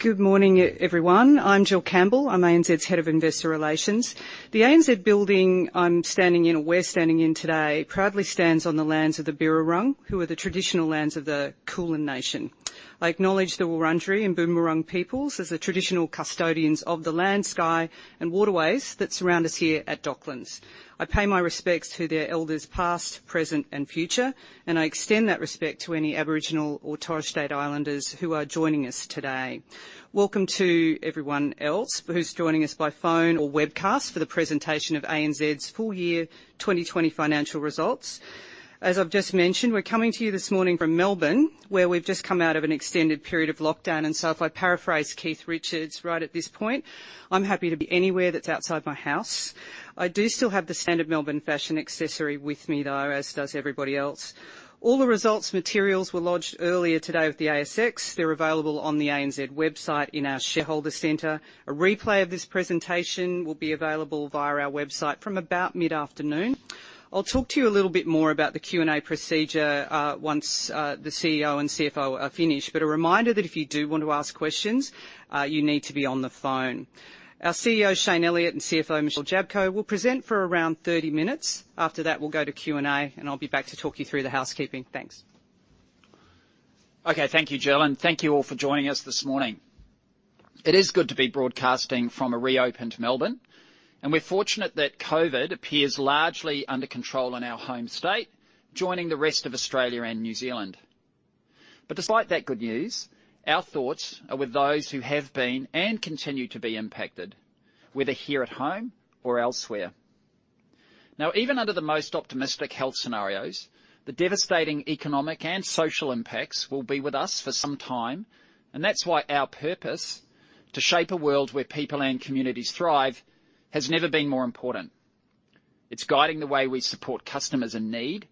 Good morning, everyone. I'm Jill Campbell. I'm ANZ's Head of Investor Relations. The ANZ building I'm standing in, or we're standing in today, proudly stands on the lands of the Birrarung, who are the traditional lands of the Kulin Nation. I acknowledge the Wurundjeri and Boon Wurrung peoples as the traditional custodians of the land, sky, and waterways that surround us here at Docklands. I pay my respects to their elders past, present, and future, and I extend that respect to any Aboriginal or Torres Strait Islanders who are joining us today. Welcome to everyone else who's joining us by phone or webcast for the presentation of ANZ's full-year 2020 financial results. As I've just mentioned, we're coming to you this morning from Melbourne, where we've just come out of an extended period of lockdown, and so if I paraphrase Keith Richards right at this point, I'm happy to be anywhere that's outside my house. I do still have the standard Melbourne fashion accessory with me, though, as does everybody else. All the results materials were lodged earlier today with the ASX. They're available on the ANZ website in our Shareholder Centre. A replay of this presentation will be available via our website from about mid-afternoon. I'll talk to you a little bit more about the Q&A procedure once the CEO and CFO are finished, but a reminder that if you do want to ask questions, you need to be on the phone. Our CEO, Shayne Elliott, and CFO, Michelle Jablko, will present for around 30 minutes. After that, we'll go to Q&A, and I'll be back to talk you through the housekeeping. Thanks. Okay, thank you, Jill, and thank you all for joining us this morning. It is good to be broadcasting from a reopened Melbourne, and we're fortunate that COVID appears largely under control in our home state, joining the rest of Australia and New Zealand. But despite that good news, our thoughts are with those who have been and continue to be impacted, whether here at home or elsewhere. Now, even under the most optimistic health scenarios, the devastating economic and social impacts will be with us for some time, and that's why our purpose to shape a world where people and communities thrive has never been more important. It's guiding the way we support customers in need,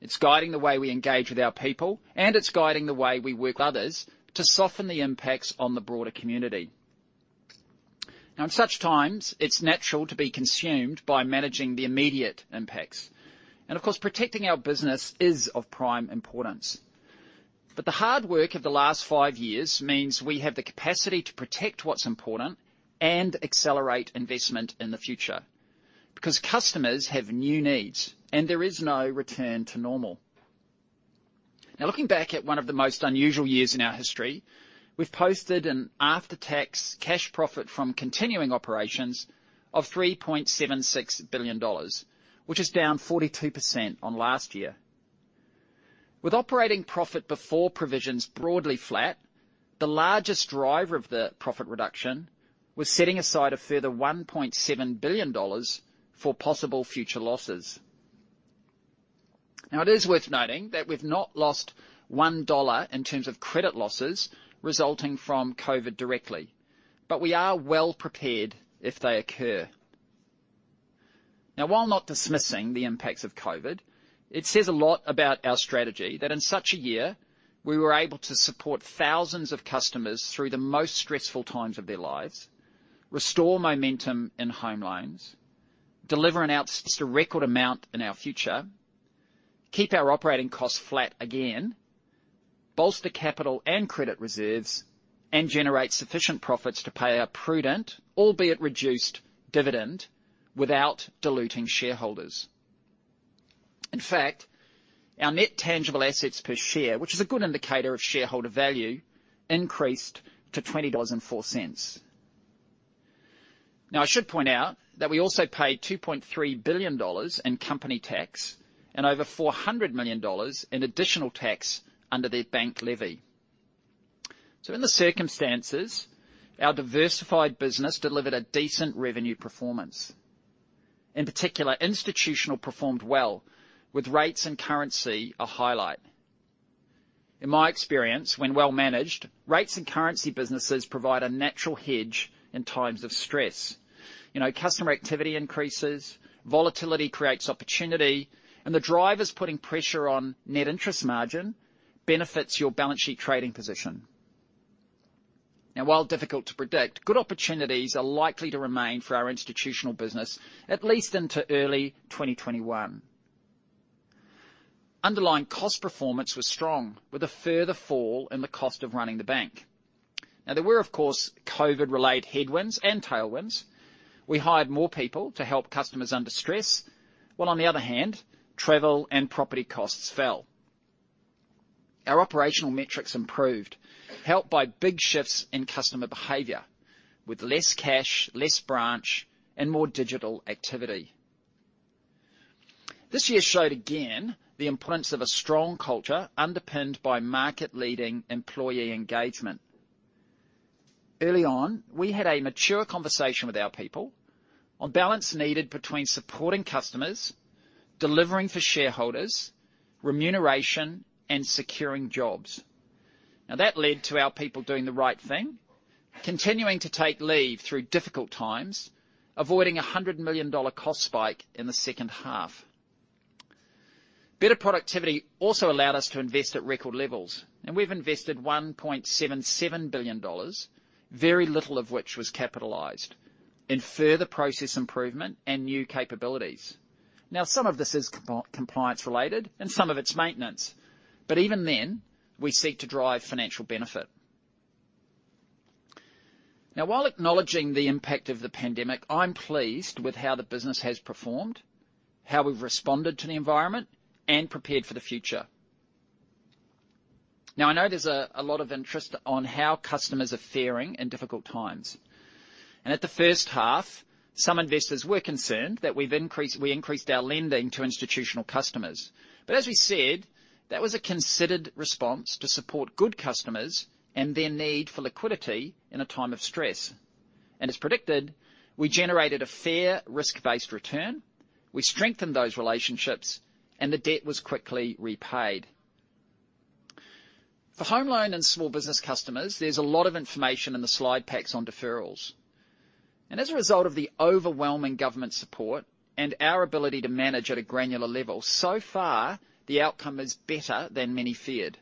it's guiding the way we engage with our people, and it's guiding the way we work with others to soften the impacts on the broader community. Now, in such times, it's natural to be consumed by managing the immediate impacts, and of course, protecting our business is of prime importance. But the hard work of the last five years means we have the capacity to protect what's important and accelerate investment in the future because customers have new needs, and there is no return to normal. Now, looking back at one of the most unusual years in our history, we've posted an after-tax cash profit from continuing operations of 3.76 billion dollars, which is down 42% on last year. With operating profit before provisions broadly flat, the largest driver of the profit reduction was setting aside a further 1.7 billion dollars for possible future losses. Now, it is worth noting that we've not lost 1 dollar in terms of credit losses resulting from COVID directly, but we are well prepared if they occur. Now, while not dismissing the impacts of COVID, it says a lot about our strategy that in such a year we were able to support thousands of customers through the most stressful times of their lives, restore momentum in home loans, deliver and outsource a record amount in our future, keep our operating costs flat again, bolster capital and credit reserves, and generate sufficient profits to pay our prudent, albeit reduced, dividend without diluting shareholders. In fact, our net tangible assets per share, which is a good indicator of shareholder value, increased to $20.04. Now, I should point out that we also paid $2.3 billion in company tax and over $400 million in additional tax under the bank levy. So, in the circumstances, our diversified business delivered a decent revenue performance. In particular, Institutional performed well, with rates and currency a highlight. In my experience, when well managed, rates and currency businesses provide a natural hedge in times of stress. Customer activity increases, volatility creates opportunity, and the drivers putting pressure on net interest margin benefit your balance sheet trading position. Now, while difficult to predict, good opportunities are likely to remain for our Institutional business, at least into early 2021. Underlying cost performance was strong, with a further fall in the cost of running the bank. Now, there were, of course, COVID-related headwinds and tailwinds. We hired more people to help customers under stress, while, on the other hand, travel and property costs fell. Our operational metrics improved, helped by big shifts in customer behavior, with less cash, less branch, and more digital activity. This year showed again the importance of a strong culture underpinned by market-leading employee engagement. Early on, we had a mature conversation with our people on balance needed between supporting customers, delivering for shareholders, remuneration, and securing jobs. Now, that led to our people doing the right thing, continuing to take leave through difficult times, avoiding a 100 million dollar cost spike in the second half. Better productivity also allowed us to invest at record levels, and we've invested 1.77 billion dollars, very little of which was capitalized, in further process improvement and new capabilities. Now, some of this is compliance-related, and some of it's maintenance, but even then, we seek to drive financial benefit. Now, while acknowledging the impact of the pandemic, I'm pleased with how the business has performed, how we've responded to the environment, and prepared for the future. Now, I know there's a lot of interest on how customers are faring in difficult times, and at the first half, some investors were concerned that we increased our lending to Institutional customers. But as we said, that was a considered response to support good customers and their need for liquidity in a time of stress. And as predicted, we generated a fair, risk-based return, we strengthened those relationships, and the debt was quickly repaid. For home loan and small business customers, there's a lot of information in the slide packs on deferrals. And as a result of the overwhelming government support and our ability to manage at a granular level, so far, the outcome is better than many feared.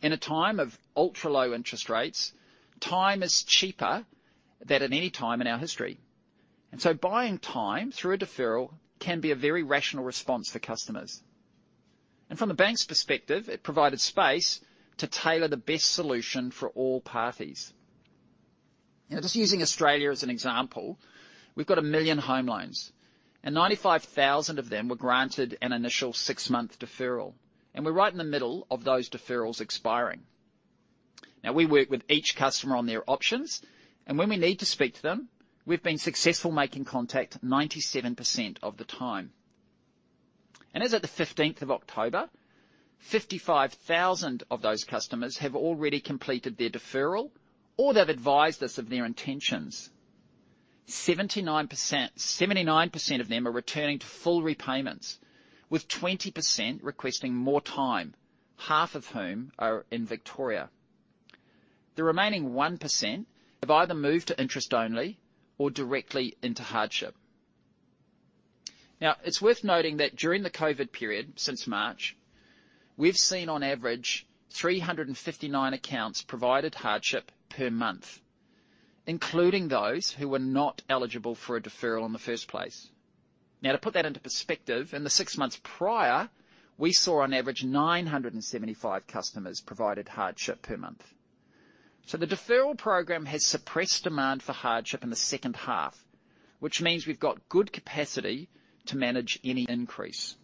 In a time of ultra-low interest rates, time is cheaper than at any time in our history. Buying time through a deferral can be a very rational response for customers. From the bank's perspective, it provided space to tailor the best solution for all parties. Now, just using Australia as an example, we've got a million home loans, and 95,000 of them were granted an initial six-month deferral, and we're right in the middle of those deferrals expiring. Now, we work with each customer on their options, and when we need to speak to them, we've been successful making contact 97% of the time. As of the 15th of October, 55,000 of those customers have already completed their deferral, or they've advised us of their intentions. 79% of them are returning to full repayments, with 20% requesting more time, half of whom are in Victoria. The remaining 1% have either moved to interest only or directly into hardship. Now, it's worth noting that during the COVID period since March, we've seen on average 359 accounts provided hardship per month, including those who were not eligible for a deferral in the first place. Now, to put that into perspective, in the six months prior, we saw on average 975 customers provided hardship per month. So, the deferral program has suppressed demand for hardship in the second half, which means we've got good capacity to manage any increase.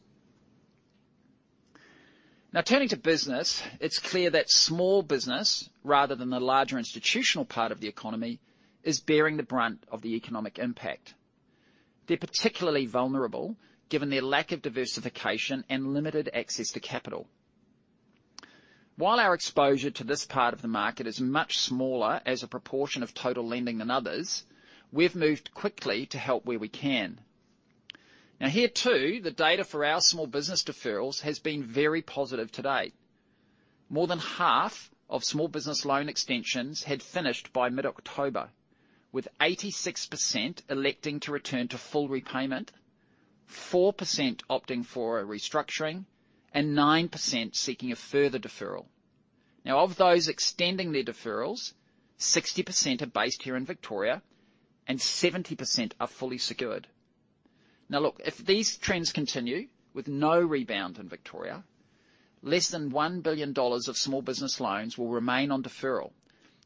Now, turning to business, it's clear that small business, rather than the larger Institutional part of the economy, is bearing the brunt of the economic impact. They're particularly vulnerable given their lack of diversification and limited access to capital. While our exposure to this part of the market is much smaller as a proportion of total lending than others, we've moved quickly to help where we can. Now, here too, the data for our small business deferrals has been very positive to date. More than half of small business loan extensions had finished by mid-October, with 86% electing to return to full repayment, 4% opting for a restructuring, and 9% seeking a further deferral. Now, of those extending their deferrals, 60% are based here in Victoria, and 70% are fully secured. Now, look, if these trends continue with no rebound in Victoria, less than 1 billion dollars of small business loans will remain on deferral,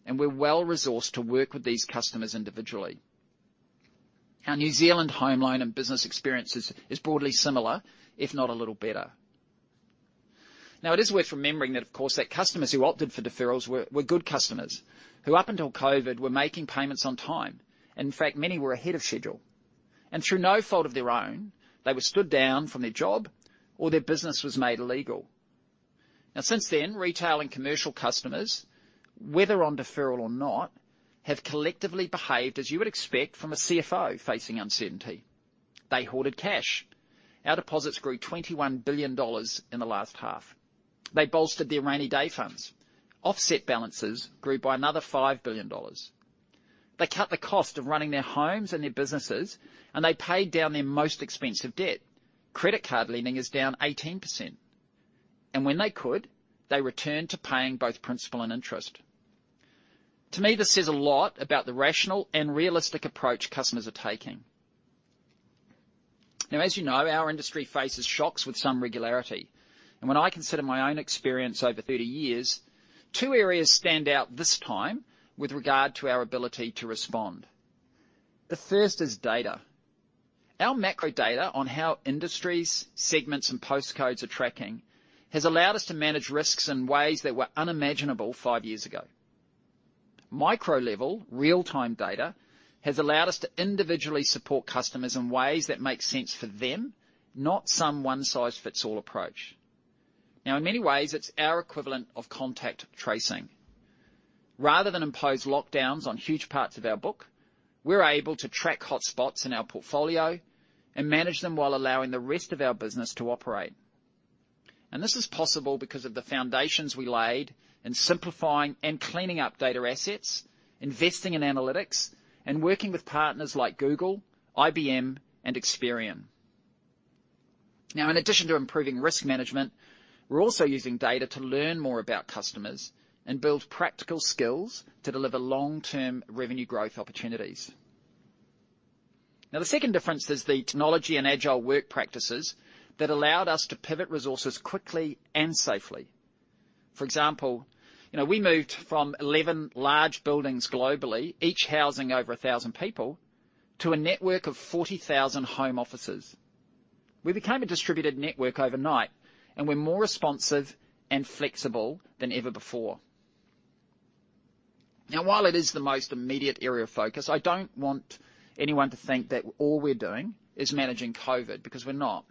and we're well-resourced to work with these customers individually. Now, New Zealand home loan and business experiences is broadly similar, if not a little better. Now, it is worth remembering that, of course, that customers who opted for deferrals were good customers who, up until COVID, were making payments on time. In fact, many were ahead of schedule. And through no fault of their own, they were stood down from their job or their business was made illegal. Now, since then, retail and commercial customers, whether on deferral or not, have collectively behaved as you would expect from a CFO facing uncertainty. They hoarded cash. Our deposits grew 21 billion dollars in the last half. They bolstered their rainy day funds. Offset balances grew by another 5 billion dollars. They cut the cost of running their homes and their businesses, and they paid down their most expensive debt. Credit card lending is down 18%. And when they could, they returned to paying both principal and interest. To me, this says a lot about the rational and realistic approach customers are taking. Now, as you know, our industry faces shocks with some regularity. When I consider my own experience over 30 years, two areas stand out this time with regard to our ability to respond. The first is data. Our macro data on how industries, segments, and postcodes are tracking has allowed us to manage risks in ways that were unimaginable five years ago. Micro-level real-time data has allowed us to individually support customers in ways that make sense for them, not some one-size-fits-all approach. Now, in many ways, it's our equivalent of contact tracing. Rather than impose lockdowns on huge parts of our book, we're able to track hotspots in our portfolio and manage them while allowing the rest of our business to operate. And this is possible because of the foundations we laid in simplifying and cleaning up data assets, investing in analytics, and working with partners like Google, IBM, and Experian. Now, in addition to improving risk management, we're also using data to learn more about customers and build practical skills to deliver long-term revenue growth opportunities. Now, the second difference is the technology and agile work practices that allowed us to pivot resources quickly and safely. For example, we moved from 11 large buildings globally, each housing over 1,000 people, to a network of 40,000 home offices. We became a distributed network overnight, and we're more responsive and flexible than ever before. Now, while it is the most immediate area of focus, I don't want anyone to think that all we're doing is managing COVID because we're not.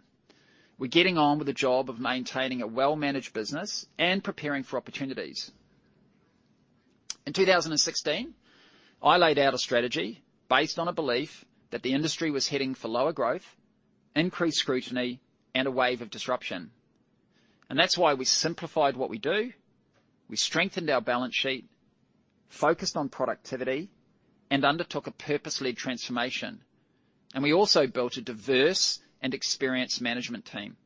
We're getting on with the job of maintaining a well-managed business and preparing for opportunities. In 2016, I laid out a strategy based on a belief that the industry was heading for lower growth, increased scrutiny, and a wave of disruption. And that's why we simplified what we do, we strengthened our balance sheet, focused on productivity, and undertook a purpose-led transformation. And we also built a diverse and experienced management team.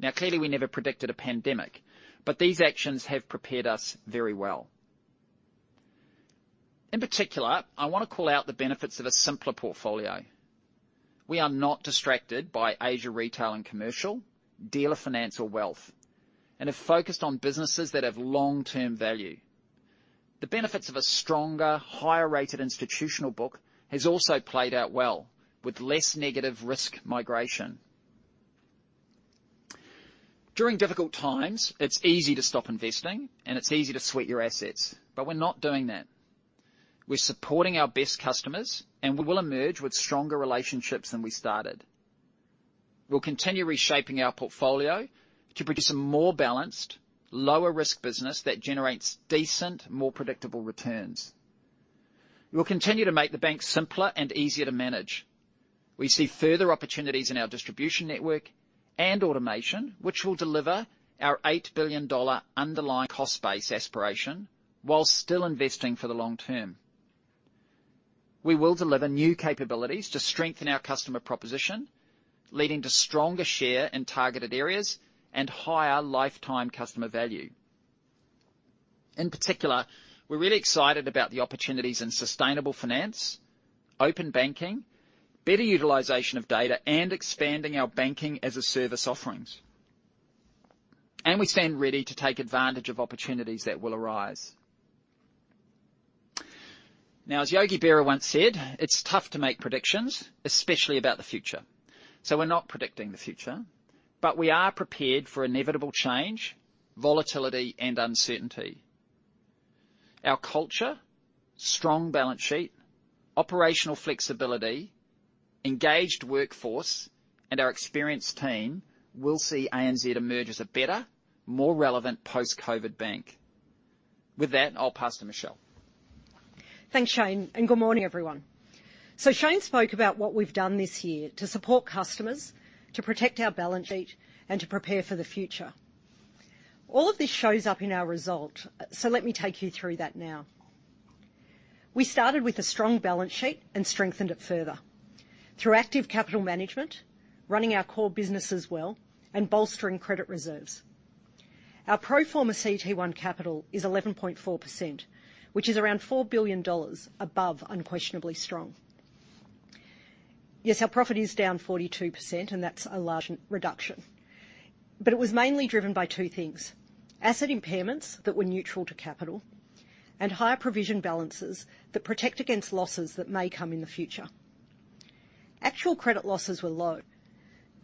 Now, clearly, we never predicted a pandemic, but these actions have prepared us very well. In particular, I want to call out the benefits of a simpler portfolio. We are not distracted by Asia retail and commercial, dealer finance, or wealth, and have focused on businesses that have long-term value. The benefits of a stronger, higher-rated Institutional book have also played out well, with less negative risk migration. During difficult times, it's easy to stop investing, and it's easy to sweat your assets, but we're not doing that. We're supporting our best customers, and we will emerge with stronger relationships than we started. We'll continue reshaping our portfolio to produce a more balanced, lower-risk business that generates decent, more predictable returns. We'll continue to make the bank simpler and easier to manage. We see further opportunities in our distribution network and automation, which will deliver our 8 billion dollar underlying cost base aspiration while still investing for the long term. We will deliver new capabilities to strengthen our customer proposition, leading to stronger share in targeted areas and higher lifetime customer value. In particular, we're really excited about the opportunities in sustainable finance, open banking, better utilization of data, and expanding our Banking-as-a-Service offerings, and we stand ready to take advantage of opportunities that will arise. Now, as Yogi Berra once said, it's tough to make predictions, especially about the future, so we're not predicting the future, but we are prepared for inevitable change, volatility, and uncertainty. Our culture, strong balance sheet, operational flexibility, engaged workforce, and our experienced team will see ANZ emerge as a better, more relevant post-COVID bank. With that, I'll pass to Michelle. Thanks, Shayne, and good morning, everyone. So, Shayne spoke about what we've done this year to support customers, to protect our balance sheet, and to prepare for the future. All of this shows up in our result, so let me take you through that now. We started with a strong balance sheet and strengthened it further through active capital management, running our core businesses well, and bolstering credit reserves. Our pro forma CET1 capital is 11.4%, which is around 4 billion dollars above unquestionably strong. Yes, our profit is down 42%, and that's a large reduction. But it was mainly driven by two things: asset impairments that were neutral to capital and higher provision balances that protect against losses that may come in the future. Actual credit losses were low,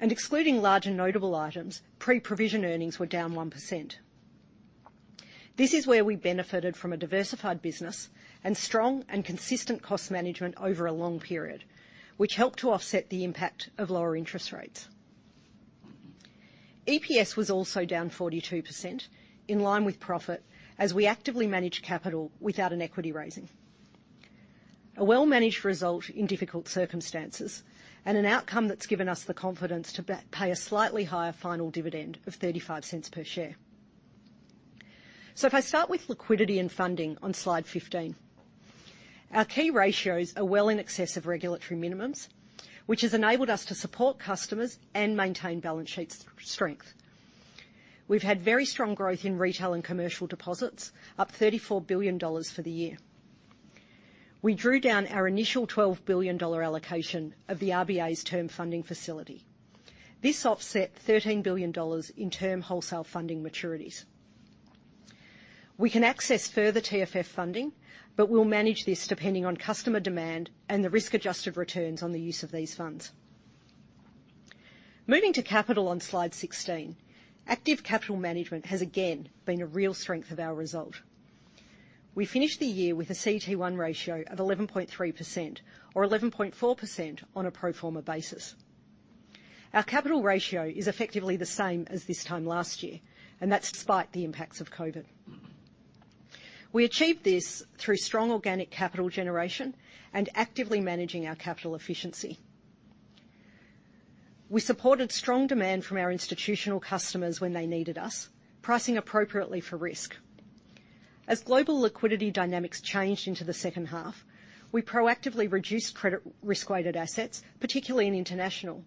and excluding large and notable items, pre-provision earnings were down 1%. This is where we benefited from a diversified business and strong and consistent cost management over a long period, which helped to offset the impact of lower interest rates. EPS was also down 42% in line with profit as we actively managed capital without an equity raising. A well-managed result in difficult circumstances and an outcome that's given us the confidence to pay a slightly higher final dividend of 0.35 per share. If I start with liquidity and funding on slide 15, our key ratios are well in excess of regulatory minimums, which has enabled us to support customers and maintain balance sheet strength. We've had very strong growth in retail and commercial deposits, up $34 billion for the year. We drew down our initial $12 billion allocation of the RBA's Term Funding Facility. This offset $13 billion in term wholesale funding maturities. We can access further TFF funding, but we'll manage this depending on customer demand and the risk-adjusted returns on the use of these funds. Moving to capital on slide 16, active capital management has again been a real strength of our result. We finished the year with a CET1 ratio of 11.3% or 11.4% on a pro forma basis. Our capital ratio is effectively the same as this time last year, and that's despite the impacts of COVID. We achieved this through strong organic capital generation and actively managing our capital efficiency. We supported strong demand from our Institutional customers when they needed us, pricing appropriately for risk. As global liquidity dynamics changed into the second half, we proactively reduced credit risk-weighted assets, particularly in international,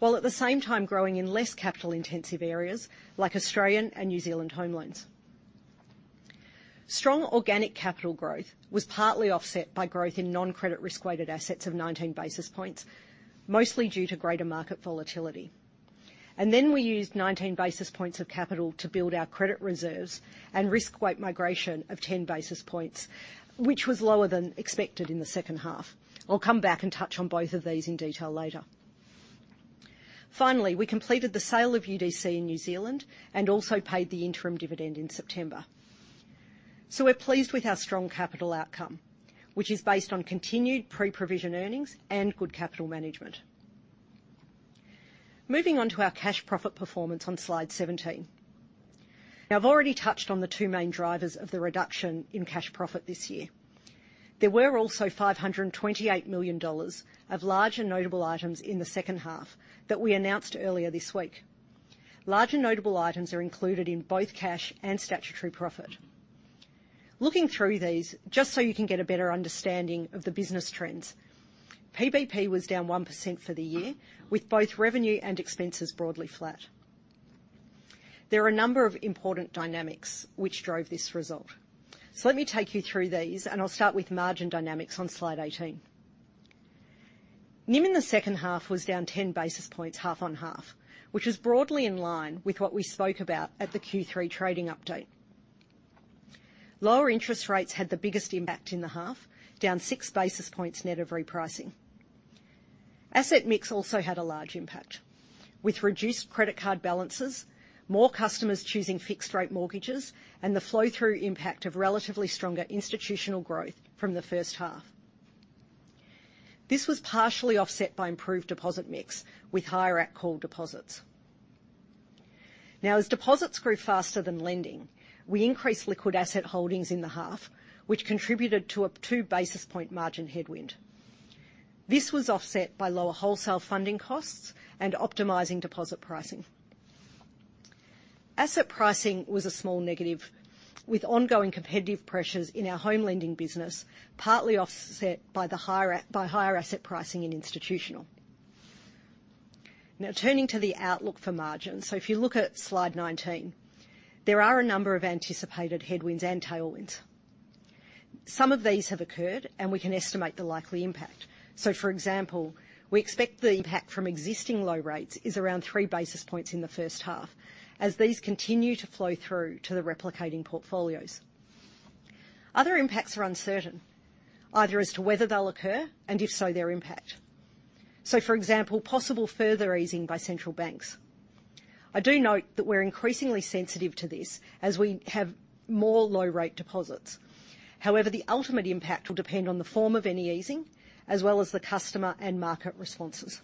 while at the same time growing in less capital-intensive areas like Australian and New Zealand home loans. Strong organic capital growth was partly offset by growth in non-credit risk-weighted assets of 19 basis points, mostly due to greater market volatility. And then we used 19 basis points of capital to build our credit reserves and risk-weight migration of 10 basis points, which was lower than expected in the second half. I'll come back and touch on both of these in detail later. Finally, we completed the sale of UDC in New Zealand and also paid the interim dividend in September. We're pleased with our strong capital outcome, which is based on continued pre-provision earnings and good capital management. Moving on to our cash profit performance on slide 17. Now, I've already touched on the two main drivers of the reduction in cash profit this year. There were also 528 million dollars of large and notable items in the second half that we announced earlier this week. Large and notable items are included in both cash and statutory profit. Looking through these, just so you can get a better understanding of the business trends, PBP was down 1% for the year, with both revenue and expenses broadly flat. There are a number of important dynamics which drove this result. Let me take you through these, and I'll start with margin dynamics on slide 18. NIM in the second half was down 10 basis points half on half, which is broadly in line with what we spoke about at the Q3 trading update. Lower interest rates had the biggest impact in the half, down 6 basis points net of repricing. Asset mix also had a large impact, with reduced credit card balances, more customers choosing fixed-rate mortgages, and the flow-through impact of relatively stronger Institutional growth from the first half. This was partially offset by improved deposit mix with higher-at-call deposits. Now, as deposits grew faster than lending, we increased liquid asset holdings in the half, which contributed to a 2 basis point margin headwind. This was offset by lower wholesale funding costs and optimizing deposit pricing. Asset pricing was a small negative, with ongoing competitive pressures in our home lending business partly offset by higher asset pricing in Institutional. Now, turning to the outlook for margins, so if you look at slide 19, there are a number of anticipated headwinds and tailwinds. Some of these have occurred, and we can estimate the likely impact. So, for example, we expect the impact from existing low rates is around 3 basis points in the first half, as these continue to flow through to the replicating portfolios. Other impacts are uncertain, either as to whether they'll occur and if so, their impact. So, for example, possible further easing by central banks. I do note that we're increasingly sensitive to this as we have more low-rate deposits. However, the ultimate impact will depend on the form of any easing, as well as the customer and market responses.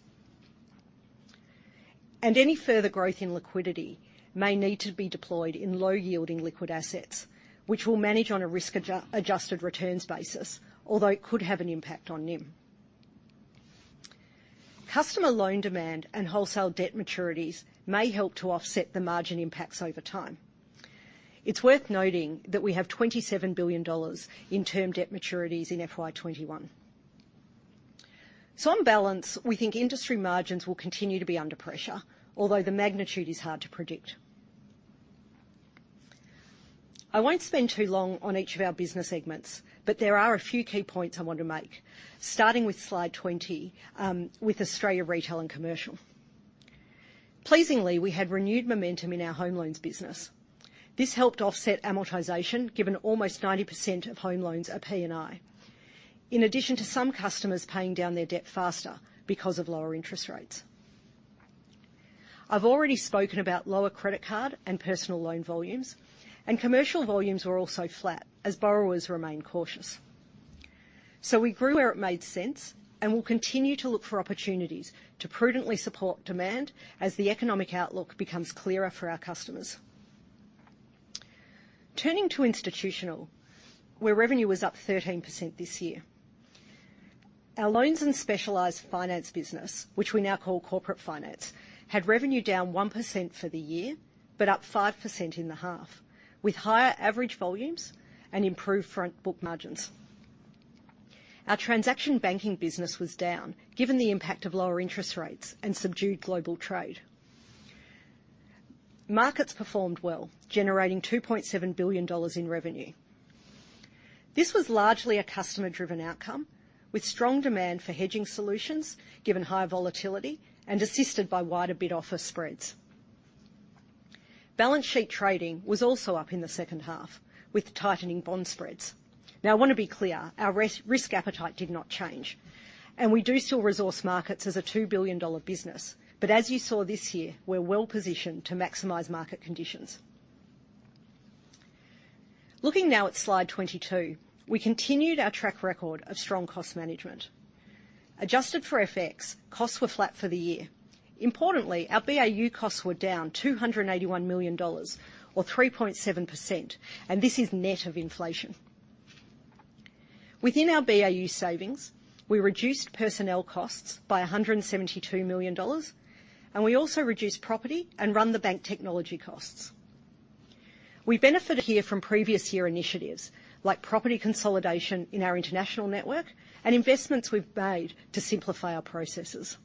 Any further growth in liquidity may need to be deployed in low-yielding liquid assets, which will manage on a risk-adjusted returns basis, although it could have an impact on NIM. Customer loan demand and wholesale debt maturities may help to offset the margin impacts over time. It's worth noting that we have 27 billion dollars in term debt maturities in FY 2021. On balance, we think industry margins will continue to be under pressure, although the magnitude is hard to predict. I won't spend too long on each of our business segments, but there are a few key points I want to make, starting with slide 20, with Australia Retail and Commercial. Pleasingly, we had renewed momentum in our home loans business. This helped offset amortization, given almost 90% of home loans are P&I, in addition to some customers paying down their debt faster because of lower interest rates. I've already spoken about lower credit card and personal loan volumes, and commercial volumes were also flat as borrowers remained cautious. So, we grew where it made sense and will continue to look for opportunities to prudently support demand as the economic outlook becomes clearer for our customers. Turning to institutional, where revenue was up 13% this year. Our Loans and Specialised Finance business, which we now call Corporate Finance, had revenue down 1% for the year but up 5% in the half, with higher average volumes and improved front book margins. Our Transaction Banking business was down, given the impact of lower interest rates and subdued global trade. Markets performed well, generating 2.7 billion dollars in revenue. This was largely a customer-driven outcome, with strong demand for hedging solutions, given high volatility and assisted by wider bid-offer spreads. Balance sheet trading was also up in the second half, with tightening bond spreads. Now, I want to be clear, our risk appetite did not change, and we do still resource markets as a 2 billion dollar business, but as you saw this year, we're well positioned to maximize market conditions. Looking now at slide 22, we continued our track record of strong cost management. Adjusted for FX, costs were flat for the year. Importantly, our BAU costs were down 281 million dollars or 3.7%, and this is net of inflation. Within our BAU savings, we reduced personnel costs by 172 million dollars, and we also reduced property and run-the-bank technology costs. We benefited here from previous year initiatives like property consolidation in our international network and investments we've made to simplify our processes.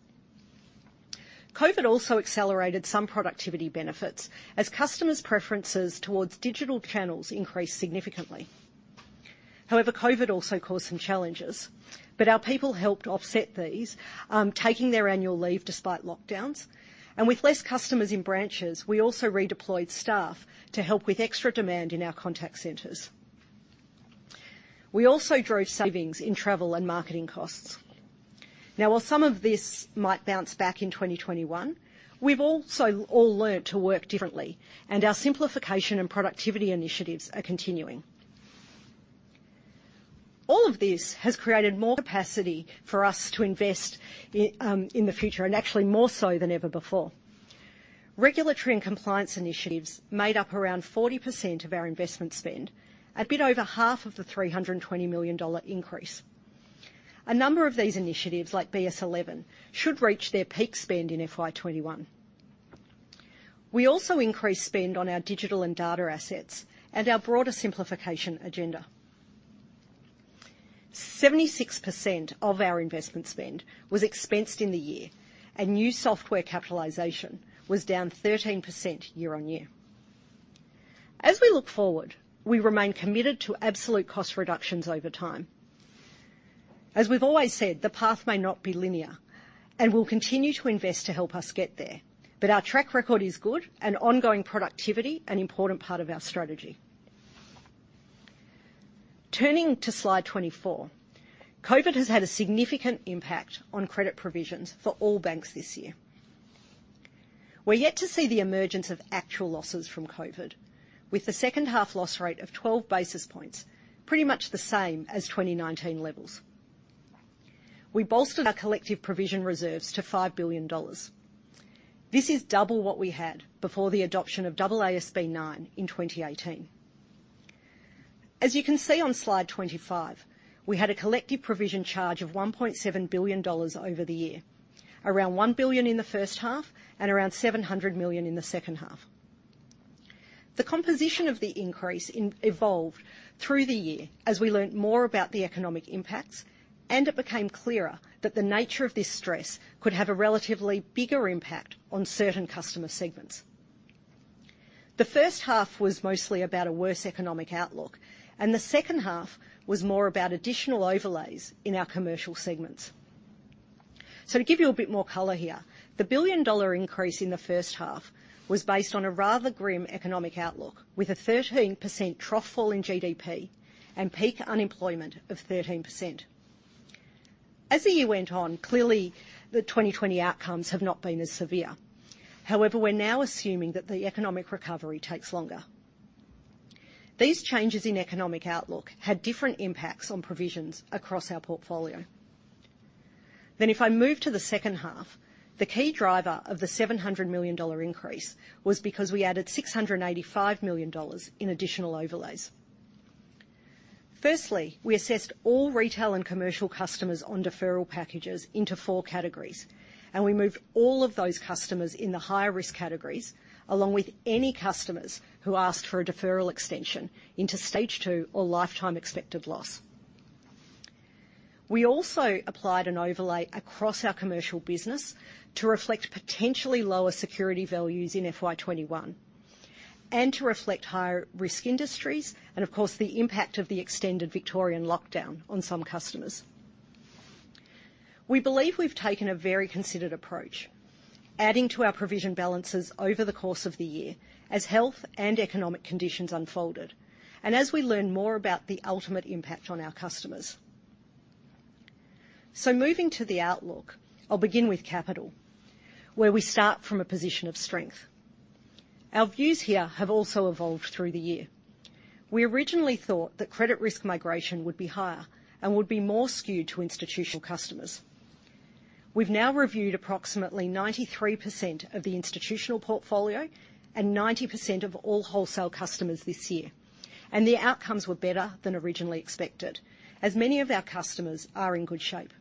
COVID also accelerated some productivity benefits as customers' preferences toward digital channels increased significantly. However, COVID also caused some challenges, but our people helped offset these, taking their annual leave despite lockdowns. And with less customers in branches, we also redeployed staff to help with extra demand in our contact centers. We also drove savings in travel and marketing costs. Now, while some of this might bounce back in 2021, we've also all learned to work differently, and our simplification and productivity initiatives are continuing. All of this has created more capacity for us to invest in the future, and actually more so than ever before. Regulatory and compliance initiatives made up around 40% of our investment spend, a bit over half of the 320 million dollar increase. A number of these initiatives, like BS11, should reach their peak spend in FY 2021. We also increased spend on our digital and data assets and our broader simplification agenda. 76% of our investment spend was expensed in the year, and new software capitalization was down 13% year on year. As we look forward, we remain committed to absolute cost reductions over time. As we've always said, the path may not be linear, and we'll continue to invest to help us get there, but our track record is good, and ongoing productivity is an important part of our strategy. Turning to slide 24, COVID has had a significant impact on credit provisions for all banks this year. We're yet to see the emergence of actual losses from COVID, with the second half loss rate of 12 basis points, pretty much the same as 2019 levels. We bolstered our collective provision reserves to 5 billion dollars. This is double what we had before the adoption of AASB 9 in 2018. As you can see on slide 25, we had a collective provision charge of 1.7 billion dollars over the year, around 1 billion in the first half and around 700 million in the second half. The composition of the increase evolved through the year as we learned more about the economic impacts, and it became clearer that the nature of this stress could have a relatively bigger impact on certain customer segments. The first half was mostly about a worse economic outlook, and the second half was more about additional overlays in our commercial segments. So, to give you a bit more color here, the billion-dollar increase in the first half was based on a rather grim economic outlook, with a 13% trough fall in GDP and peak unemployment of 13%. As the year went on, clearly the 2020 outcomes have not been as severe. However, we're now assuming that the economic recovery takes longer. These changes in economic outlook had different impacts on provisions across our portfolio. Then, if I move to the second half, the key driver of the 700 million dollar increase was because we added 685 million dollars in additional overlays. Firstly, we assessed all retail and commercial customers on deferral packages into four categories, and we moved all of those customers in the higher risk categories, along with any customers who asked for a deferral extension, into stage two or lifetime expected loss. We also applied an overlay across our commercial business to reflect potentially lower security values in FY 2021 and to reflect higher risk industries and, of course, the impact of the extended Victorian lockdown on some customers. We believe we've taken a very considered approach, adding to our provision balances over the course of the year as health and economic conditions unfolded and as we learn more about the ultimate impact on our customers. So, moving to the outlook, I'll begin with capital, where we start from a position of strength. Our views here have also evolved through the year. We originally thought that credit risk migration would be higher and would be more skewed to institutional customers. We've now reviewed approximately 93% of the institutional portfolio and 90% of all wholesale customers this year, and the outcomes were better than originally expected, as many of our customers are in good shape.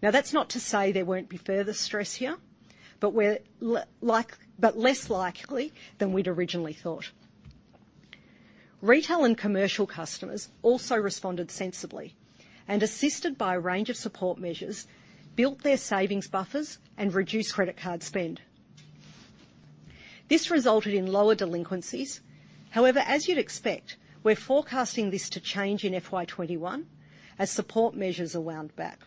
Now, that's not to say there won't be further stress here, but less likely than we'd originally thought. Retail and commercial customers also responded sensibly and, assisted by a range of support measures, built their savings buffers and reduced credit card spend. This resulted in lower delinquencies. However, as you'd expect, we're forecasting this to change in FY 2021 as support measures are wound back.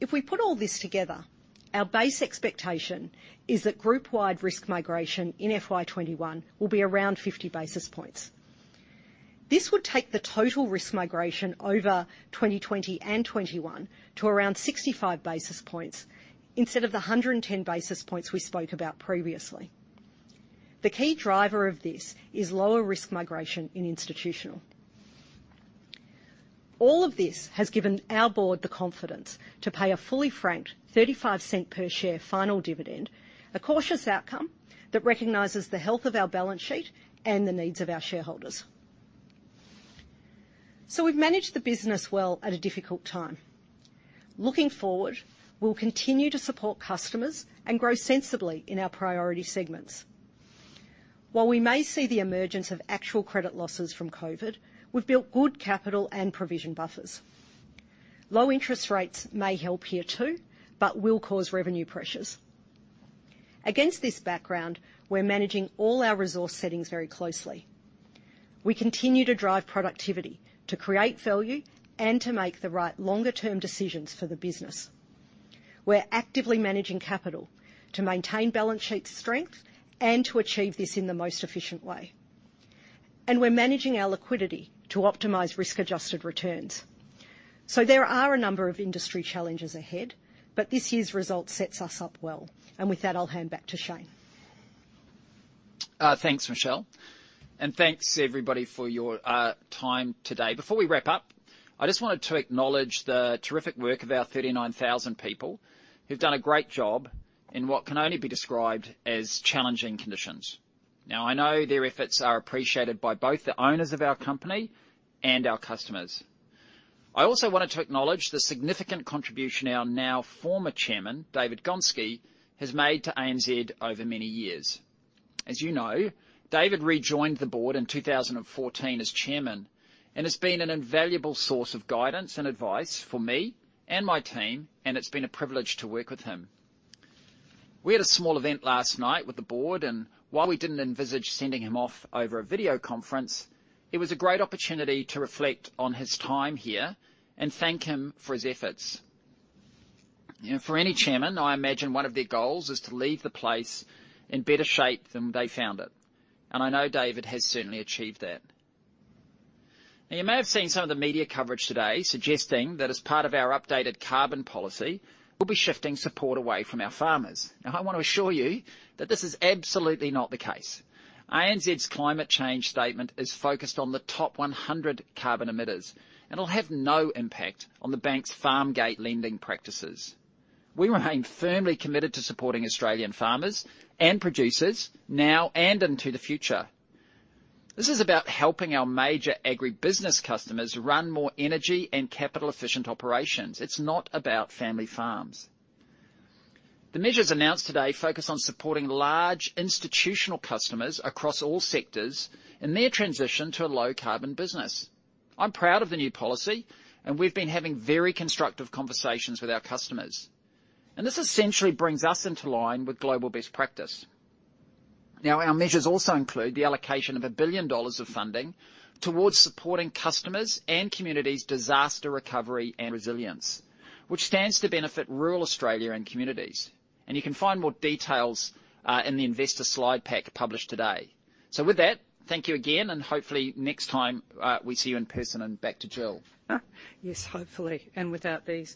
If we put all this together, our base expectation is that group-wide risk migration in FY 2021 will be around 50 basis points. This would take the total risk migration over 2020 and 2021 to around 65 basis points instead of the 110 basis points we spoke about previously. The key driver of this is lower risk migration in institutional. All of this has given our board the confidence to pay a fully franked 0.35 per share final dividend, a cautious outcome that recognizes the health of our balance sheet and the needs of our shareholders. We've managed the business well at a difficult time. Looking forward, we'll continue to support customers and grow sensibly in our priority segments. While we may see the emergence of actual credit losses from COVID, we've built good capital and provision buffers. Low interest rates may help here too, but will cause revenue pressures. Against this background, we're managing all our resource settings very closely. We continue to drive productivity to create value and to make the right longer-term decisions for the business. We're actively managing capital to maintain balance sheet strength and to achieve this in the most efficient way. We're managing our liquidity to optimize risk-adjusted returns. There are a number of industry challenges ahead, but this year's result sets us up well. With that, I'll hand back to Shayne. Thanks, Michelle, and thanks, everybody, for your time today. Before we wrap up, I just wanted to acknowledge the terrific work of our 39,000 people who've done a great job in what can only be described as challenging conditions. Now, I know their efforts are appreciated by both the owners of our company and our customers. I also wanted to acknowledge the significant contribution our now former Chairman, David Gonski, has made to ANZ over many years. As you know, David rejoined the board in 2014 as Chairman and has been an invaluable source of guidance and advice for me and my team, and it's been a privilege to work with him. We had a small event last night with the board, and while we didn't envisage sending him off over a video conference, it was a great opportunity to reflect on his time here and thank him for his efforts. For any chairman, I imagine one of their goals is to leave the place in better shape than they found it, and I know David has certainly achieved that. Now, you may have seen some of the media coverage today suggesting that as part of our updated carbon policy, we'll be shifting support away from our farmers. Now, I want to assure you that this is absolutely not the case. ANZ's climate change statement is focused on the top 100 carbon emitters, and it'll have no impact on the bank's farm gate lending practices. We remain firmly committed to supporting Australian farmers and producers now and into the future. This is about helping our major agribusiness customers run more energy and capital-efficient operations. It's not about family farms. The measures announced today focus on supporting large institutional customers across all sectors in their transition to a low-carbon business. I'm proud of the new policy, and we've been having very constructive conversations with our customers. And this essentially brings us into line with global best practice. Now, our measures also include the allocation of 1 billion dollars of funding towards supporting customers and communities' disaster recovery and resilience, which stands to benefit rural Australia and communities. And you can find more details in the investor slide pack published today. So, with that, thank you again, and hopefully next time we see you in person and back to Jill. Yes, hopefully, and without these.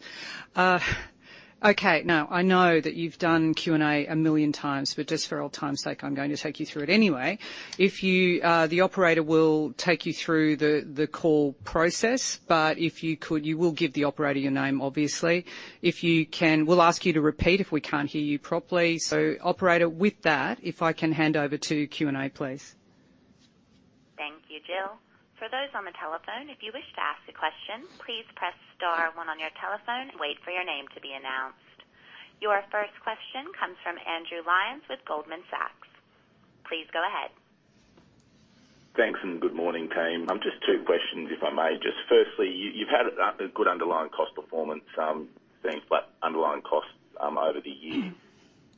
Okay, now, I know that you've done Q&A a million times, but just for old time's sake, I'm going to take you through it anyway. The operator will take you through the call process, but if you could, you will give the operator your name, obviously. If you can, we'll ask you to repeat if we can't hear you properly. Operator, with that, if I can hand over to Q&A, please. Thank you, Jill. For those on the telephone, if you wish to ask a question, please press star one on your telephone and wait for your name to be announced. Your first question comes from Andrew Lyons with Goldman Sachs. Please go ahead. Thanks and good morning, Shayne. Just two questions, if I may. Just firstly, you've had a good underlying cost performance thing, underlying costs over the year.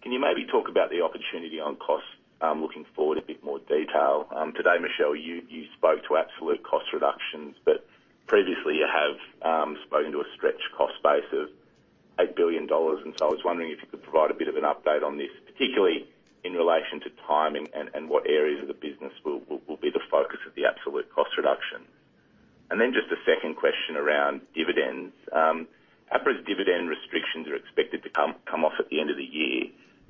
Can you maybe talk about the opportunity on costs looking forward in a bit more detail? Today, Michelle, you spoke to absolute cost reductions, but previously you have spoken to a stretched cost base of 8 billion dollars. And so I was wondering if you could provide a bit of an update on this, particularly in relation to time and what areas of the business will be the focus of the absolute cost reduction? And then just a second question around dividends. APRA's dividend restrictions are expected to come off at the end of the year.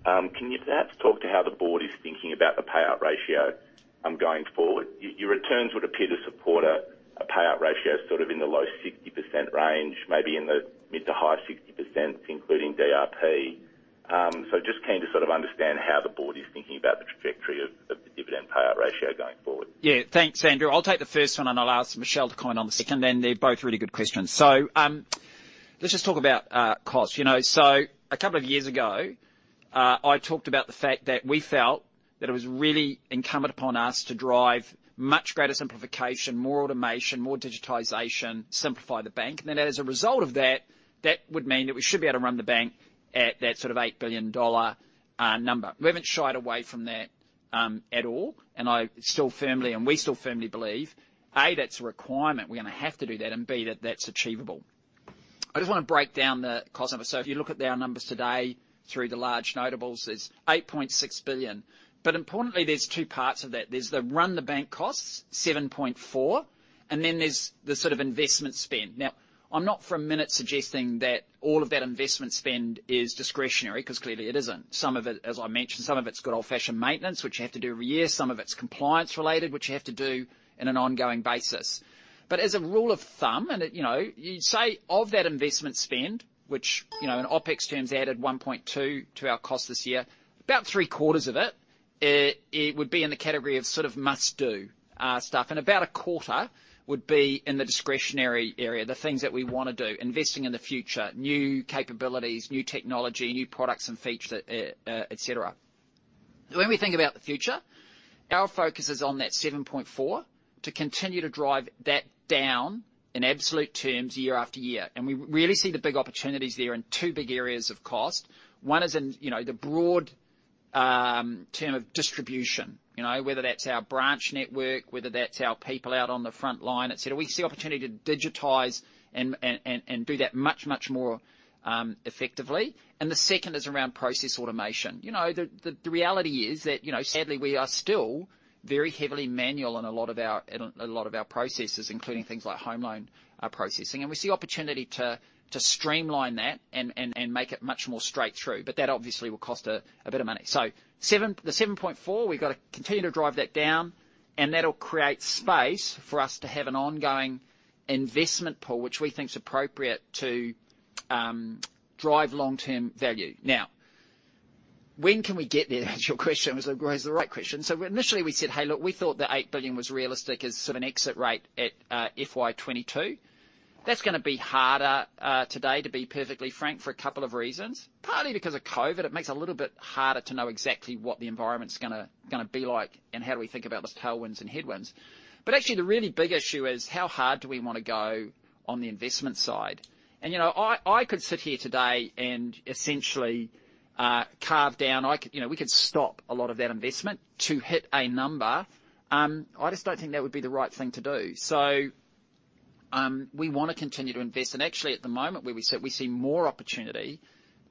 Can you perhaps talk to how the board is thinking about the payout ratio going forward? Your returns would appear to support a payout ratio sort of in the low 60% range, maybe in the mid- to high-60%, including DRP. So, just keen to sort of understand how the board is thinking about the trajectory of the dividend payout ratio going forward. Yeah, thanks, Andrew. I'll take the first one, and I'll ask Michelle to comment on the second, and they're both really good questions. So, let's just talk about costs. A couple of years ago, I talked about the fact that we felt that it was really incumbent upon us to drive much greater simplification, more automation, more digitization, simplify the bank. And then as a result of that, that would mean that we should be able to run the bank at that sort of $8 billion number. We haven't shied away from that at all, and we still firmly believe, A, that's a requirement. We're going to have to do that, and B, that that's achievable. I just want to break down the cost numbers. If you look at our numbers today through the large notables, there's $8.6 billion. But importantly, there's two parts of that. There's the run-the-bank costs, $7.4 billion, and then there's the sort of investment spend. Now, I'm not for a minute suggesting that all of that investment spend is discretionary because clearly it isn't. As I mentioned, some of it's good old-fashioned maintenance, which you have to do every year. Some of it's compliance-related, which you have to do on an ongoing basis. But as a rule of thumb, you'd say of that investment spend, which in OpEx terms added 1.2 to our costs this year, about three-quarters of it would be in the category of sort of must-do stuff, and about a quarter would be in the discretionary area, the things that we want to do, investing in the future, new capabilities, new technology, new products and features, etc. When we think about the future, our focus is on that 7.4 to continue to drive that down in absolute terms year after year. And we really see the big opportunities there in two big areas of cost. One is in the broad term of distribution, whether that's our branch network, whether that's our people out on the front line, etc. We see opportunity to digitize and do that much, much more effectively. And the second is around process automation. The reality is that, sadly, we are still very heavily manual in a lot of our processes, including things like home loan processing. And we see opportunity to streamline that and make it much more straight through, but that obviously will cost a bit of money. So, the 7.4, we've got to continue to drive that down, and that'll create space for us to have an ongoing investment pool, which we think is appropriate to drive long-term value. Now, when can we get there, is your question, which is the right question. So, initially, we said, "Hey, look, we thought that 8 billion was realistic as sort of an exit rate at FY 2022." That's going to be harder today, to be perfectly frank, for a couple of reasons. Partly because of COVID, it makes it a little bit harder to know exactly what the environment's going to be like and how do we think about the tailwinds and headwinds. But actually, the really big issue is how hard do we want to go on the investment side. And I could sit here today and essentially carve down. We could stop a lot of that investment to hit a number. I just don't think that would be the right thing to do. So, we want to continue to invest. And actually, at the moment where we sit, we see more opportunity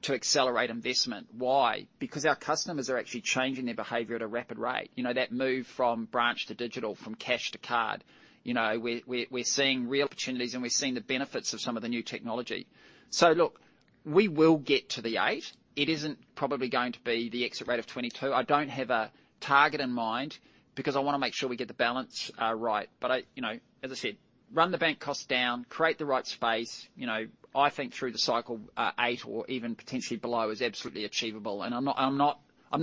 to accelerate investment. Why? Because our customers are actually changing their behavior at a rapid rate. That move from branch to digital, from cash to card, we're seeing real opportunities, and we're seeing the benefits of some of the new technology. So, look, we will get to the 8. It isn't probably going to be the exit rate of 22. I don't have a target in mind because I want to make sure we get the balance right. But as I said, run-the-bank costs down, create the right space. I think through the cycle, 8 or even potentially below is absolutely achievable. And I'm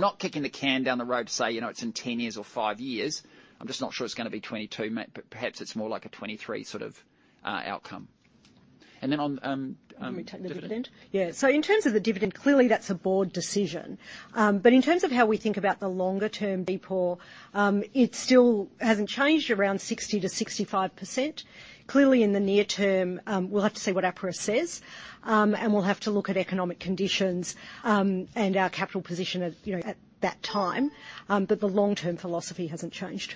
not kicking the can down the road to say it's in 10 years or five years. I'm just not sure it's going to be 22, but perhaps it's more like a 23 sort of outcome. And then on. Can we take the dividend? Yeah. In terms of the dividend, clearly that's a board decision. But in terms of how we think about the longer-term payout, it still hasn't changed around 60%-65%. Clearly, in the near term, we'll have to see what APRA says, and we'll have to look at economic conditions and our capital position at that time. But the long-term philosophy hasn't changed.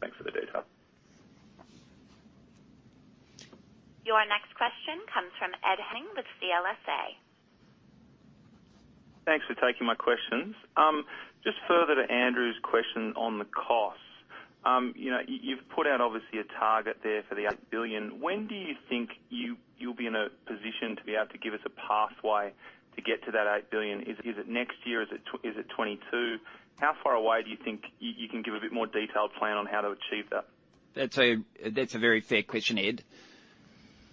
Thanks for the detail. Your next question comes from Ed Henning with CLSA. Thanks for taking my questions. Just further to Andrew's question on the costs, you've put out obviously a target there for the 8 billion. When do you think you'll be in a position to be able to give us a pathway to get to that 8 billion? Is it next year? Is it 2022? How far away do you think you can give a bit more detailed plan on how to achieve that? That's a very fair question, Ed.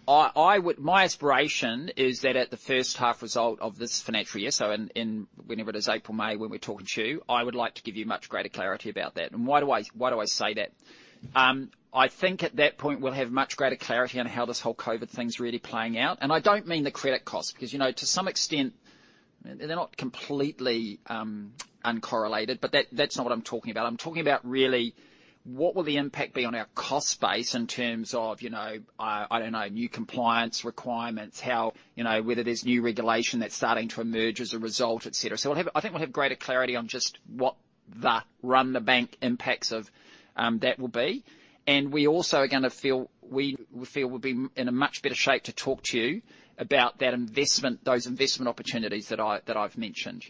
My aspiration is that at the first half result of this financial year, so whenever it is April, May, when we're talking to you, I would like to give you much greater clarity about that. And why do I say that? I think at that point we'll have much greater clarity on how this whole COVID thing's really playing out. And I don't mean the credit costs because to some extent, they're not completely uncorrelated, but that's not what I'm talking about. I'm talking about really what will the impact be on our cost base in terms of, I don't know, new compliance requirements, whether there's new regulation that's starting to emerge as a result, etc. So, I think we'll have greater clarity on just what the run-the-bank impacts of that will be. We also are going to feel we'll be in a much better shape to talk to you about those investment opportunities that I've mentioned.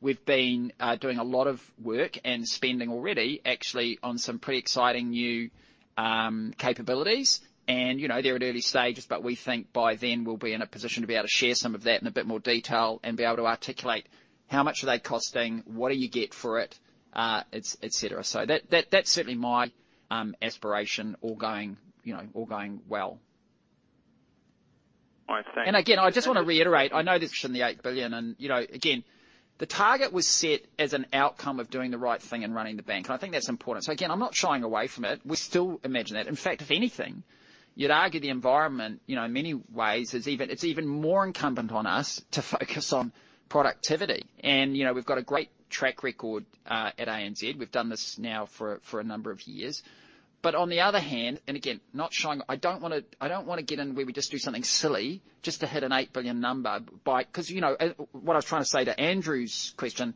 We've been doing a lot of work and spending already, actually, on some pretty exciting new capabilities. They're at early stages, but we think by then we'll be in a position to be able to share some of that in a bit more detail and be able to articulate how much are they costing, what do you get for it, etc. That's certainly my aspiration all going well. Again, I just want to reiterate, I know there's a question of the 8 billion. Again, the target was set as an outcome of doing the right thing and running the bank. I think that's important. Again, I'm not shying away from it. We still imagine that. In fact, if anything, you'd argue the environment in many ways, it's even more incumbent on us to focus on productivity. And we've got a great track record at ANZ. We've done this now for a number of years. But on the other hand, and again, not shying away, I don't want to get in where we just do something silly just to hit an 8 billion number. Because what I was trying to say to Andrew's question,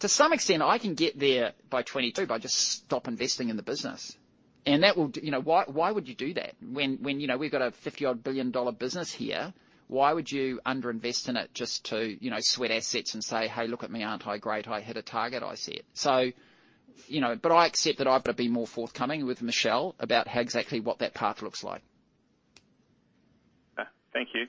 to some extent, I can get there by 2022 by just stop investing in the business. And why would you do that when we've got an 50 billion dollar business here? Why would you underinvest in it just to sweat assets and say, "Hey, look at me, aren't I great? I hit a target. I see it." So, but I accept that I've got to be more forthcoming with Michelle about exactly what that path looks like. Thank you.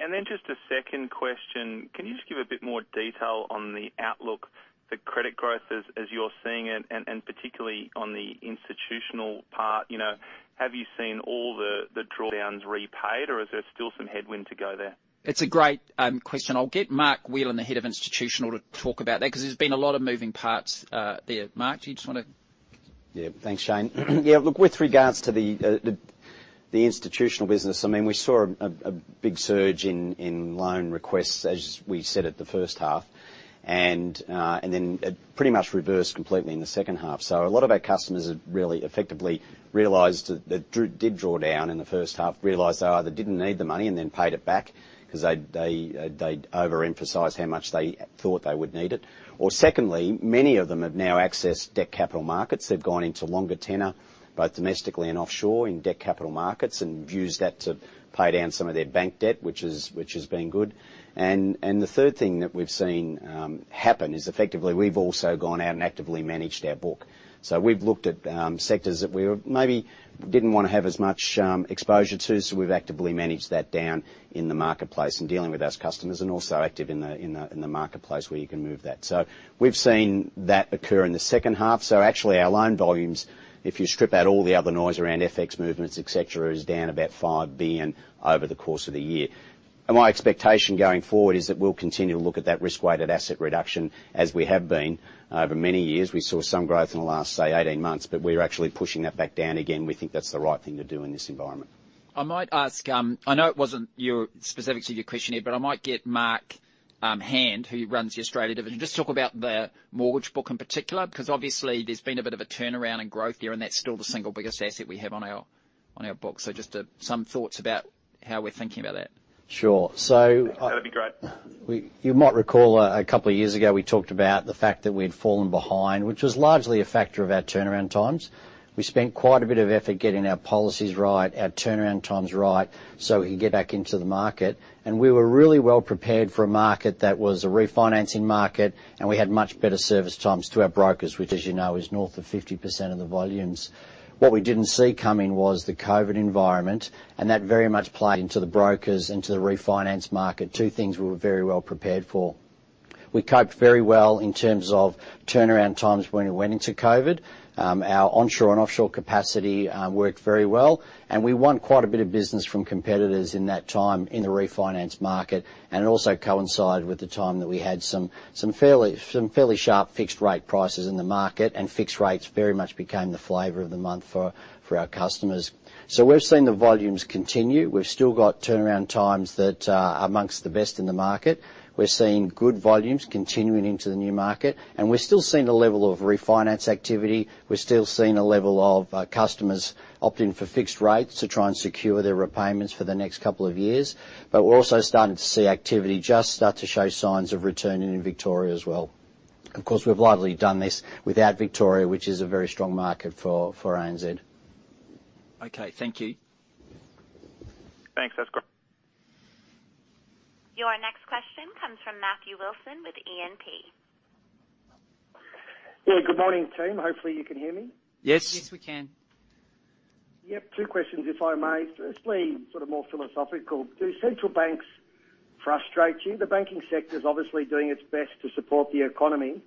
And then just a second question. Can you just give a bit more detail on the outlook, the credit growth as you're seeing it, and particularly on the institutional part? Have you seen all the drawdowns repaid, or is there still some headwind to go there? It's a great question. I'll get Mark Whelan, the head of institutional, to talk about that because there's been a lot of moving parts there. Mark, do you just want to? Yeah, thanks, Shayne. Yeah, look, with regards to the institutional business, I mean, we saw a big surge in loan requests, as we said, at the first half. And then it pretty much reversed completely in the second half. A lot of our customers have really effectively realized that they did draw down in the first half, realized they either didn't need the money and then paid it back because they overemphasized how much they thought they would need it. Secondly, many of them have now accessed debt capital markets. They've gone into longer tenor, both domestically and offshore in debt capital markets, and used that to pay down some of their bank debt, which has been good. The third thing that we've seen happen is effectively we've also gone out and actively managed our book. We've looked at sectors that we maybe didn't want to have as much exposure to, so we've actively managed that down in the marketplace and dealing with those customers and also active in the marketplace where you can move that. We've seen that occur in the second half. So, actually, our loan volumes, if you strip out all the other noise around FX movements, etc., is down about 5 billion over the course of the year. And my expectation going forward is that we'll continue to look at that risk-weighted asset reduction as we have been over many years. We saw some growth in the last, say, 18 months, but we're actually pushing that back down again. We think that's the right thing to do in this environment. I might ask. I know it wasn't specific to your question here, but I might get Mark Hand, who runs the Australia division, just to talk about the mortgage book in particular because obviously there's been a bit of a turnaround in growth there, and that's still the single biggest asset we have on our book. So, just some thoughts about how we're thinking about that. Sure. So. That'd be great. You might recall a couple of years ago we talked about the fact that we'd fallen behind, which was largely a factor of our turnaround times. We spent quite a bit of effort getting our policies right, our turnaround times right, so we could get back into the market. And we were really well prepared for a market that was a refinancing market, and we had much better service times to our brokers, which, as you know, is north of 50% of the volumes. What we didn't see coming was the COVID environment, and that very much played into the brokers, into the refinance market, two things we were very well prepared for. We coped very well in terms of turnaround times when we went into COVID. Our onshore and offshore capacity worked very well. And we won quite a bit of business from competitors in that time in the refinance market. And it also coincided with the time that we had some fairly sharp fixed-rate prices in the market, and fixed rates very much became the flavor of the month for our customers. So, we've seen the volumes continue. We've still got turnaround times that are among the best in the market. We're seeing good volumes continuing into the new market. And we're still seeing a level of refinance activity. We're still seeing a level of customers opting for fixed rates to try and secure their repayments for the next couple of years. But we're also starting to see activity just start to show signs of returning in Victoria as well. Of course, we've largely done this without Victoria, which is a very strong market for ANZ. Okay, thank you. Thanks, that's great. Your next question comes from Matthew Wilson with E&P. Yeah, good morning, team. Hopefully, you can hear me. Yes. Yes, we can. Yep, two questions, if I may. Firstly, sort of more philosophical. Do central banks frustrate you? The banking sector's obviously doing its best to support the economy,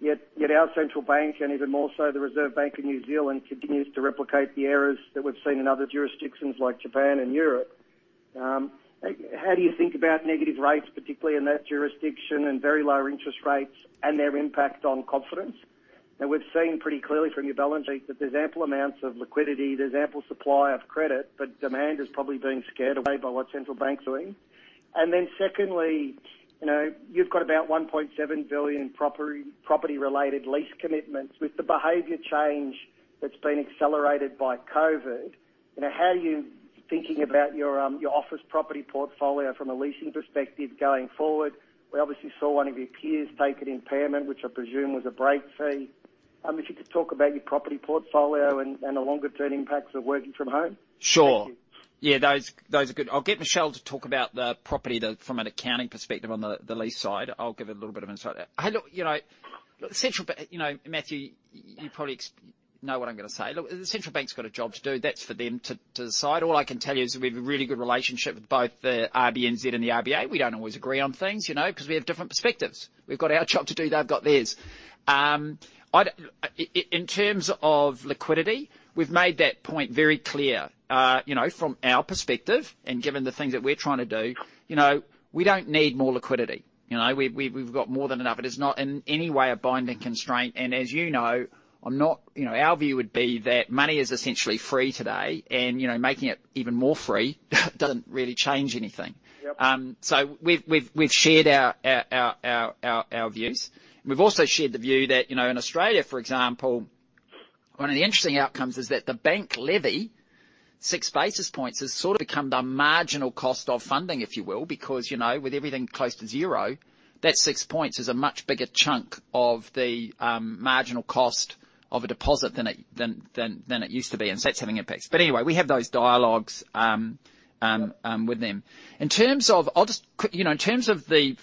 yet our central bank, and even more so the Reserve Bank of New Zealand, continues to replicate the errors that we've seen in other jurisdictions like Japan and Europe. How do you think about negative rates, particularly in that jurisdiction, and very low interest rates, and their impact on confidence? And we've seen pretty clearly from your balance sheet that there's ample amounts of liquidity, there's ample supply of credit, but demand is probably being scared away by what central banks are doing. And then secondly, you've got about 1.7 billion property-related lease commitments with the behavior change that's been accelerated by COVID. How are you thinking about your office property portfolio from a leasing perspective going forward? We obviously saw one of your peers take an impairment, which I presume was a break fee. If you could talk about your property portfolio and the longer-term impacts of working from home. Sure. Yeah, those are good. I'll get Michelle to talk about the property from an accounting perspective on the lease side. I'll give her a little bit of insight. Hey, look, central bank, Matthew, you probably know what I'm going to say. Look, the central bank's got a job to do. That's for them to decide. All I can tell you is we have a really good relationship with both the RBNZ and the RBA. We don't always agree on things because we have different perspectives. We've got our job to do. They've got theirs. In terms of liquidity, we've made that point very clear from our perspective. And given the things that we're trying to do, we don't need more liquidity. We've got more than enough. It is not in any way a binding constraint. And as you know, our view would be that money is essentially free today, and making it even more free doesn't really change anything. So, we've shared our views. We've also shared the view that in Australia, for example, one of the interesting outcomes is that the bank levy, six basis points, has sort of become the marginal cost of funding, if you will, because with everything close to zero, that six points is a much bigger chunk of the marginal cost of a deposit than it used to be. And so that's having impacts. But anyway, we have those dialogues with them. In terms of I'll just in terms of the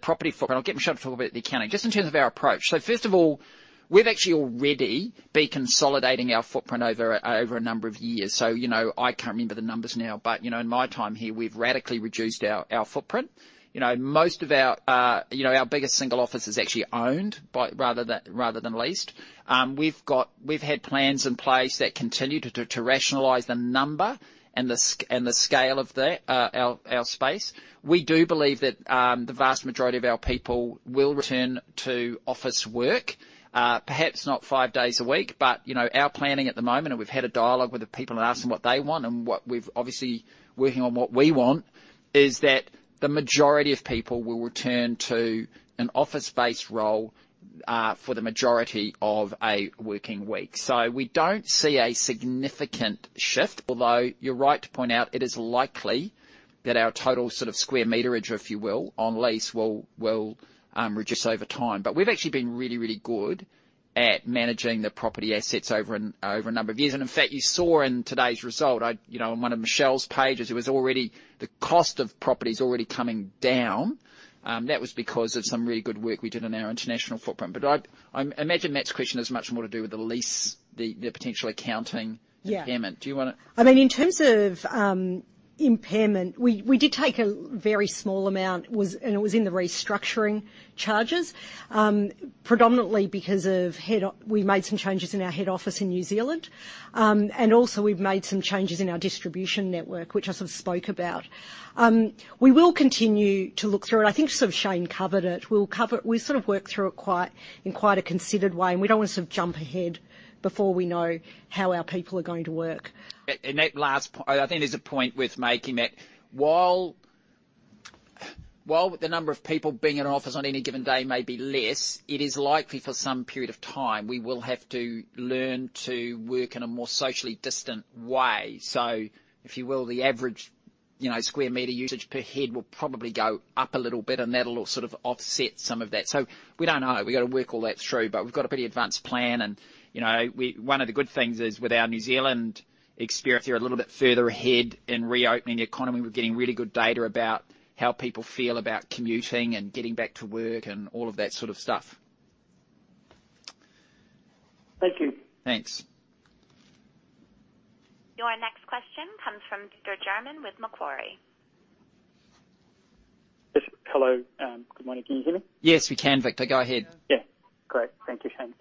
property footprint, I'll get Michelle to talk about the accounting. Just in terms of our approach, so first of all, we've actually already been consolidating our footprint over a number of years. So, I can't remember the numbers now, but in my time here, we've radically reduced our footprint. Most of our biggest single office is actually owned rather than leased. We've had plans in place that continue to rationalize the number and the scale of our space. We do believe that the vast majority of our people will return to office work, perhaps not five days a week. But our planning at the moment, and we've had a dialogue with the people and asked them what they want, and we're obviously working on what we want, is that the majority of people will return to an office-based role for the majority of a working week. So, we don't see a significant shift, although you're right to point out it is likely that our total sort of square meterage, if you will, on lease will reduce over time. But we've actually been really, really good at managing the property assets over a number of years. In fact, you saw in today's result, in one of Michelle's pages, it was already the cost of property is already coming down. That was because of some really good work we did on our international footprint. But I imagine Matt's question has much more to do with the lease, the potential accounting impairment. Do you want to? I mean, in terms of impairment, we did take a very small amount, and it was in the restructuring charges, predominantly because we made some changes in our head office in New Zealand. Also, we've made some changes in our distribution network, which I sort of spoke about. We will continue to look through it. I think sort of Shayne covered it. We'll sort of work through it in quite a considered way. We don't want to sort of jump ahead before we know how our people are going to work. In that last point, I think there's a point with making that while the number of people being in an office on any given day may be less, it is likely for some period of time we will have to learn to work in a more socially distant way. If you will, the average square meter usage per head will probably go up a little bit, and that'll sort of offset some of that. We don't know. We've got to work all that through. We've got a pretty advanced plan. One of the good things is with our New Zealand experience, we're a little bit further ahead in reopening the economy. We're getting really good data about how people feel about commuting and getting back to work and all of that sort of stuff. Thank you. Thanks. Your next question comes from Victor German with Macquarie. Hello. Good morning. Can you hear me? Yes, we can, Victor. Go ahead. Yeah. Great. Thank you, Shayne.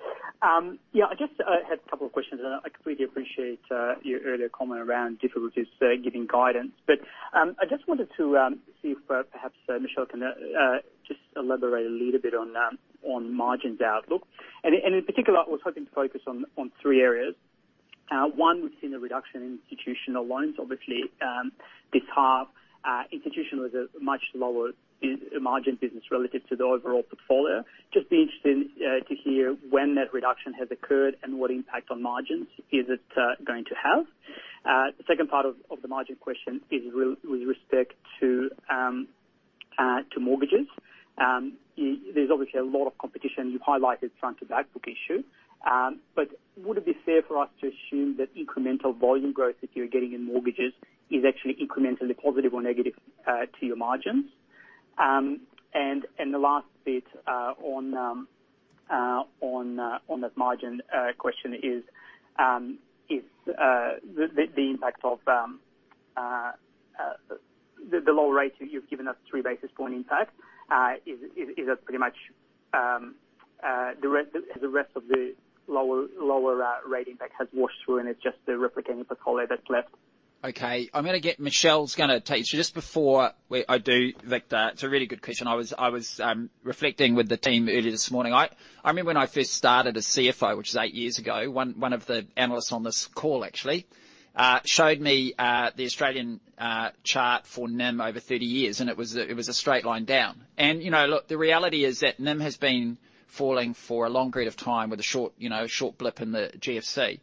Yeah, I guess I had a couple of questions. And I completely appreciate your earlier comment around difficulties giving guidance. But I just wanted to see if perhaps Michelle can just elaborate a little bit on margins outlook. And in particular, I was hoping to focus on three areas. One, we've seen a reduction in institutional loans. Obviously, this half, institutional is a much lower margin business relative to the overall portfolio. Just be interested to hear when that reduction has occurred and what impact on margins is it going to have. The second part of the margin question is with respect to mortgages. There's obviously a lot of competition. You've highlighted front-to-back book issue. But would it be fair for us to assume that incremental volume growth that you're getting in mortgages is actually incrementally positive or negative to your margins? And the last bit on that margin question is the impact of the low rate you've given us, three basis points impact. Is that pretty much the rest of the lower rate impact has washed through, and it's just the replicating portfolio that's left? Okay. I'm going to get Michelle's going to take it. So just before I do, Victor, it's a really good question. I was reflecting with the team earlier this morning. I remember when I first started as CFO, which was eight years ago, one of the analysts on this call actually showed me the Australian chart for NIM over 30 years, and it was a straight line down. And look, the reality is that NIM has been falling for a long period of time with a short blip in the GFC.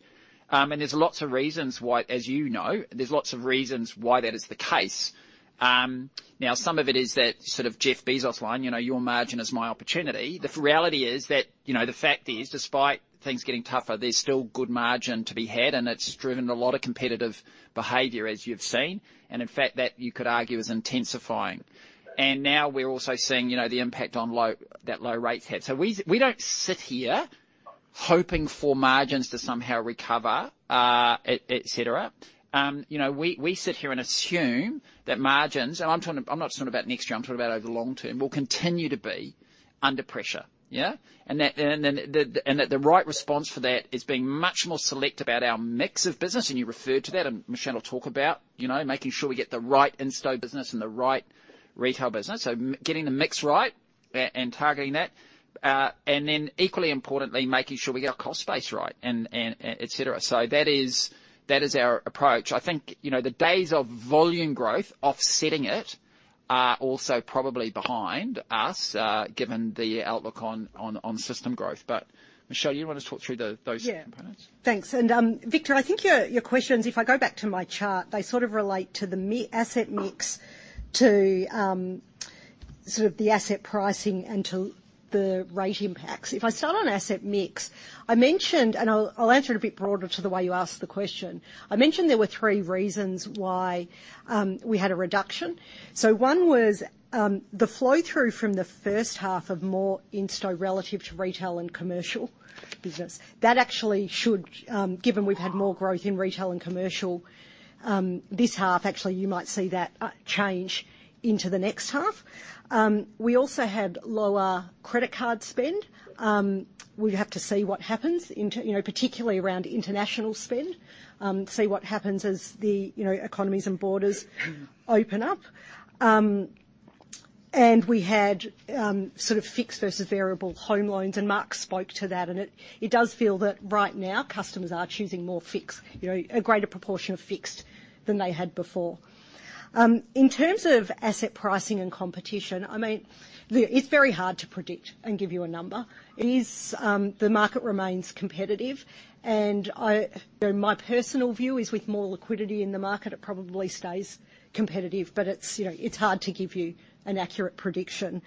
And there's lots of reasons why, as you know, there's lots of reasons why that is the case. Now, some of it is that sort of Jeff Bezos line, "Your margin is my opportunity." The reality is that the fact is, despite things getting tougher, there's still good margin to be had, and it's driven a lot of competitive behavior, as you've seen. And in fact, that you could argue is intensifying. And now we're also seeing the impact on that low rates hit. So we don't sit here hoping for margins to somehow recover, etc. We sit here and assume that margins, and I'm not just talking about next year, I'm talking about over the long term, will continue to be under pressure. Yeah? And that the right response for that is being much more select about our mix of business, and you referred to that, and Michelle will talk about making sure we get the right in-store business and the right retail business. So getting the mix right and targeting that. And then equally importantly, making sure we get our cost base right, etc. So that is our approach. I think the days of volume growth offsetting it are also probably behind us, given the outlook on system growth. But Michelle, do you want to talk through those components? Yeah. Thanks. And Victor, I think your questions, if I go back to my chart, they sort of relate to the asset mix to sort of the asset pricing and to the rate impacts. If I start on asset mix, I mentioned, and I'll answer it a bit broader to the way you asked the question, I mentioned there were three reasons why we had a reduction. So one was the flow-through from the first half of more in-store relative to retail and commercial business. That actually should, given we've had more growth in retail and commercial this half, actually you might see that change into the next half. We also had lower credit card spend. We'd have to see what happens, particularly around international spend, see what happens as the economies and borders open up. And we had sort of fixed versus variable home loans, and Mark spoke to that. It does feel that right now customers are choosing more fixed, a greater proportion of fixed than they had before. In terms of asset pricing and competition, I mean, it's very hard to predict and give you a number. The market remains competitive, and my personal view is with more liquidity in the market, it probably stays competitive, but it's hard to give you an accurate prediction,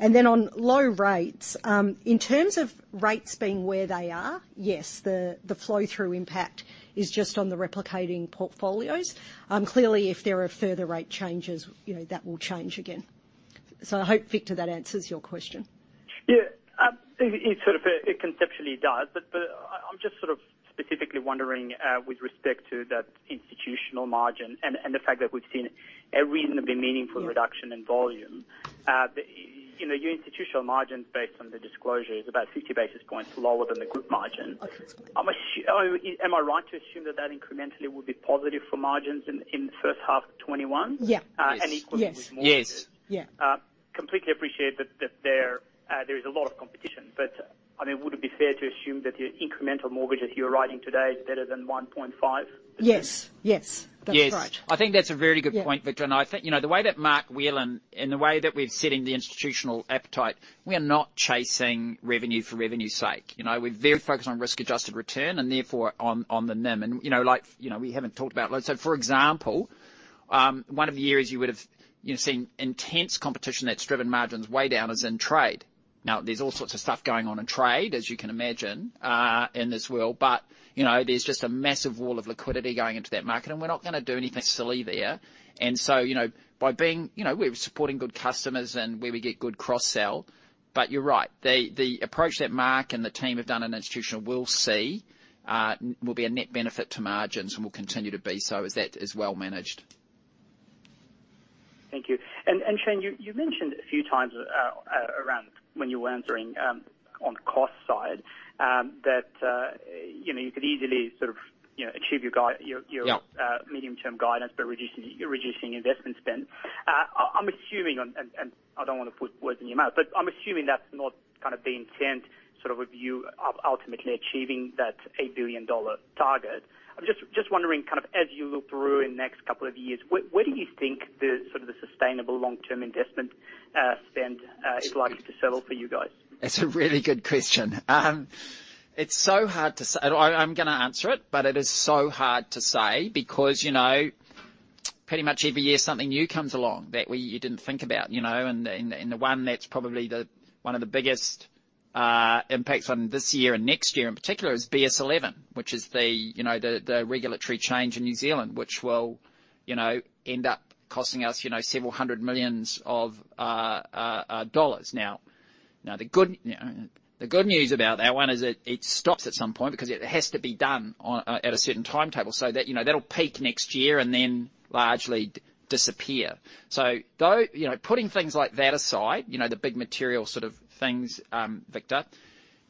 then on low rates, in terms of rates being where they are, yes, the flow-through impact is just on the replicating portfolios. Clearly, if there are further rate changes, that will change again, so I hope, Victor, that answers your question. Yeah. It sort of conceptually does, but I'm just sort of specifically wondering with respect to that institutional margin and the fact that we've seen a reasonably meaningful reduction in volume. Your institutional margin, based on the disclosure, is about 50 basis points lower than the group margin. Am I right to assume that that incrementally will be positive for margins in the first half of 2021? Yeah. Yes. And equally with mortgages. Completely appreciate that there is a lot of competition. But I mean, would it be fair to assume that the incremental mortgages you're writing today is better than 1.5%? Yes. Yes. That's right. I think that's a very good point, Victor. And I think the way that Mark Whelan and the way that we're setting the institutional appetite, we are not chasing revenue for revenue's sake. We're very focused on risk-adjusted return and therefore on the NIM. And we haven't talked about loans. So for example, one of the years you would have seen intense competition that's driven margins way down as in trade. Now, there's all sorts of stuff going on in trade, as you can imagine, in this world, but there's just a massive wall of liquidity going into that market, and we're not going to do anything silly there. And so by being we're supporting good customers and where we get good cross-sell, but you're right. The approach that Mark and the team have done in institutional will be a net benefit to margins and will continue to be so as that is well managed. Thank you. And Shayne, you mentioned a few times around when you were answering on cost side that you could easily sort of achieve your medium-term guidance by reducing investment spend. I'm assuming, and I don't want to put words in your mouth, but I'm assuming that's not kind of the intent sort of of you ultimately achieving that 8 billion dollar target. I'm just wondering, kind of as you look through in the next couple of years, where do you think sort of the sustainable long-term investment spend is likely to settle for you guys? That's a really good question. It's so hard to say. I'm going to answer it, but it is so hard to say because pretty much every year something new comes along that you didn't think about, and the one that's probably one of the biggest impacts on this year and next year in particular is BS11, which is the regulatory change in New Zealand, which will end up costing us several hundred million AUD. Now, the good news about that one is it stops at some point because it has to be done at a certain timetable. So that'll peak next year and then largely disappear. So putting things like that aside, the big material sort of things, Victor,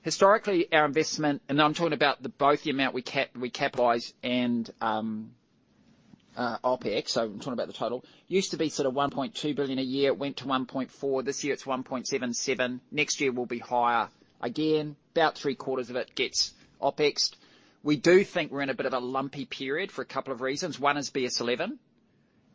historically, our investment - and I'm talking about both the amount we capitalise and OpEx, so I'm talking about the total - used to be sort of 1.2 billion a year. It went to 1.4 billion. This year it's 1.77 billion. Next year will be higher again. About three-quarters of it gets OpExed. We do think we're in a bit of a lumpy period for a couple of reasons. One is BS11,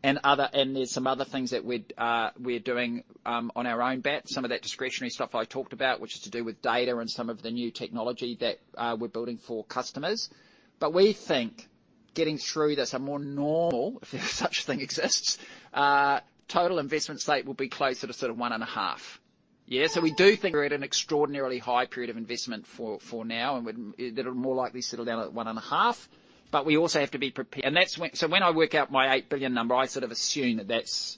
and there's some other things that we're doing on our own bat. Some of that discretionary stuff I talked about, which is to do with data and some of the new technology that we're building for customers. But we think getting through this, a more normal - if such a thing exists - total investment state will be closer to sort of one and a half. Yeah? So we do think we're at an extraordinarily high period of investment for now, and it'll more likely settle down at one and a half. But we also have to be prepared. And so when I work out my eight billion number, I sort of assume that that's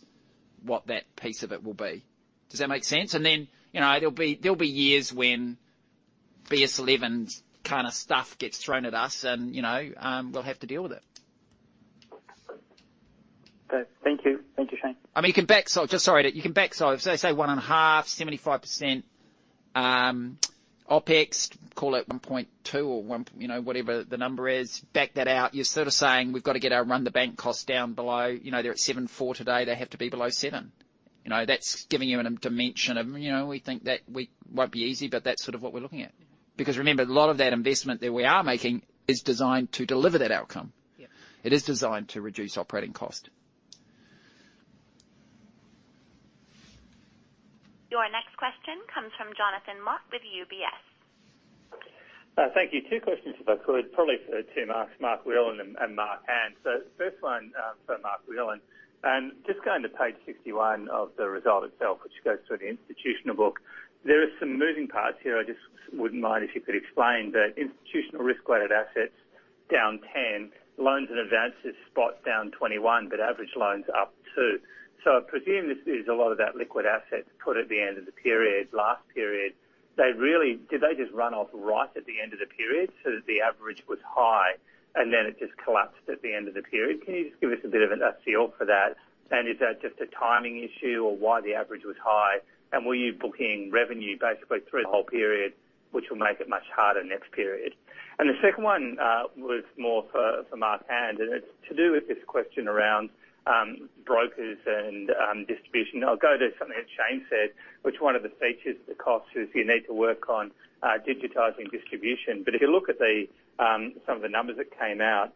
what that piece of it will be. Does that make sense? And then there'll be years when BS11 kind of stuff gets thrown at us, and we'll have to deal with it. Okay. Thank you. Thank you, Shayne. I mean, you can back, sorry, you can back, so say one and a half, 75% OpEx, call it 1.2 or whatever the number is, back that out. You're sort of saying we've got to get our run-of-the-bank costs down below. They're at 7.4 today. They have to be below 7. That's giving you a dimension of we think that won't be easy, but that's sort of what we're looking at. Because remember, a lot of that investment that we are making is designed to deliver that outcome. It is designed to reduce operating cost. Your next question comes from Jonathan Mott with UBS. Thank you. Two questions, if I could. Probably two marks, Mark Whelan and Mark Hand. So first one for Mark Whelan and just going to page 61 of the result itself, which goes through the institutional book. There are some moving parts here. I just wouldn't mind if you could explain that institutional risk-weighted assets down 10, loans and advances spot down 21, but average loans up 2. So I presume this is a lot of that liquid asset put at the end of the period, last period. Did they just run off right at the end of the period so that the average was high, and then it just collapsed at the end of the period? Can you just give us a bit of a feel for that? And is that just a timing issue or why the average was high? And were you booking revenue basically through the whole period, which will make it much harder next period? And the second one was more for Mark Hand, and it's to do with this question around brokers and distribution. I'll go to something that Shayne said, which one of the features of the costs is you need to work on digitizing distribution. But if you look at some of the numbers that came out,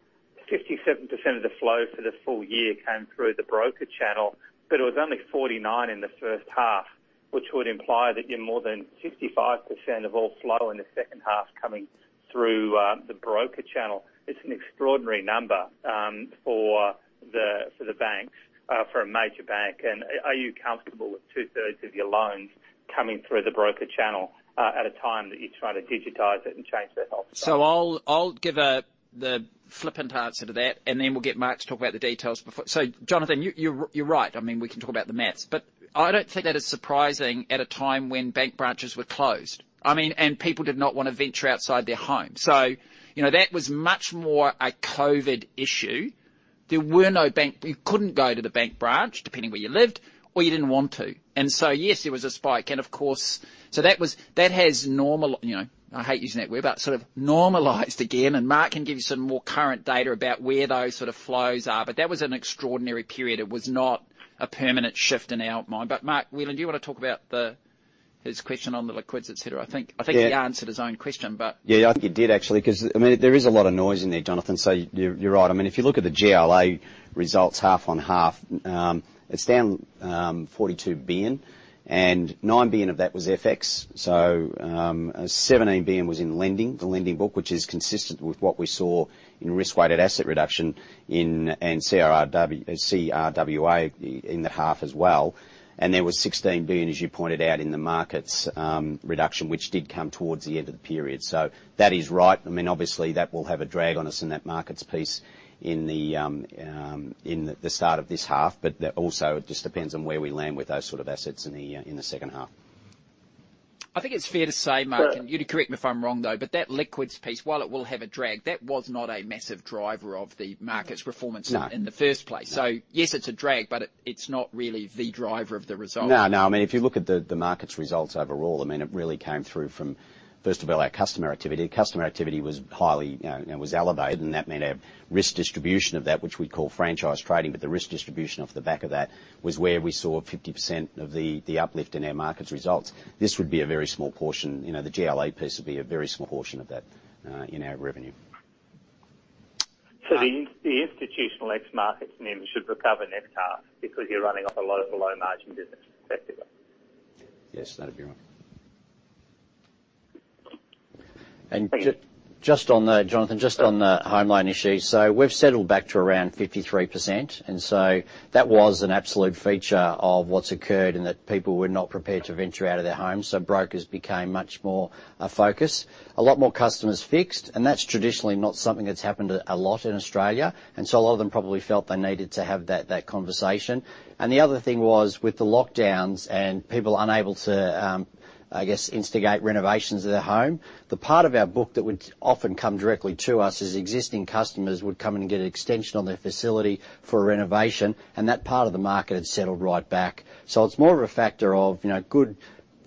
57% of the flow for the full year came through the broker channel, but it was only 49% in the first half, which would imply that you're more than 55% of all flow in the second half coming through the broker channel. It's an extraordinary number for the banks, for a major bank. And are you comfortable with two-thirds of your loans coming through the broker channel at a time that you're trying to digitize it and change that off? So I'll give the flippant answer to that, and then we'll get Mark to talk about the details before. So Jonathan, you're right. I mean, we can talk about the math. But I don't think that is surprising at a time when bank branches were closed. I mean, and people did not want to venture outside their home. So that was much more a COVID issue. There were no bank, you couldn't go to the bank branch depending where you lived, or you didn't want to. And so yes, there was a spike. And of course, so that has normal, I hate using that word, but sort of normalized again. Mark can give you some more current data about where those sort of flows are. That was an extraordinary period. It was not a permanent shift in our mind. Mark Whelan, do you want to talk about his question on the liquids, etc.? I think he answered his own question, but. Yeah. I think he did, actually. Because I mean, there is a lot of noise in there, Jonathan. You're right. I mean, if you look at the GLA results half on half, it's down 42 billion, and 9 billion of that was FX. 17 billion was in lending, the lending book, which is consistent with what we saw in risk-weighted asset reduction and CRWA in the half as well. And there was 16 billion, as you pointed out, in the markets reduction, which did come towards the end of the period. So that is right. I mean, obviously, that will have a drag on us in that markets piece in the start of this half. But also it just depends on where we land with those sort of assets in the second half. I think it's fair to say, Mark, and you can correct me if I'm wrong though, but that liquids piece, while it will have a drag, that was not a massive driver of the markets performance in the first place. So yes, it's a drag, but it's not really the driver of the result. No, no. I mean, if you look at the markets results overall, I mean, it really came through from, first of all, our customer activity. Customer activity was highly elevated. And that meant our risk distribution of that, which we'd call franchise trading, but the risk distribution off the back of that was where we saw 50% of the uplift in our markets results. This would be a very small portion. The GLA piece would be a very small portion of that in our revenue. So the institutional ex-markets nearly should recover next half because you're running off a lot of low-margin business, effectively. Yes. That'd be right. And just on that, Jonathan, just on the home lending issues, so we've settled back to around 53%. And so that was an absolute feature of what's occurred in that people were not prepared to venture out of their homes. Brokers became much more a focus, a lot more customers fixed. And that's traditionally not something that's happened a lot in Australia. And so a lot of them probably felt they needed to have that conversation. And the other thing was with the lockdowns and people unable to, I guess, instigate renovations of their home, the part of our book that would often come directly to us is existing customers would come and get an extension on their facility for a renovation. And that part of the market had settled right back. So it's more of a factor of good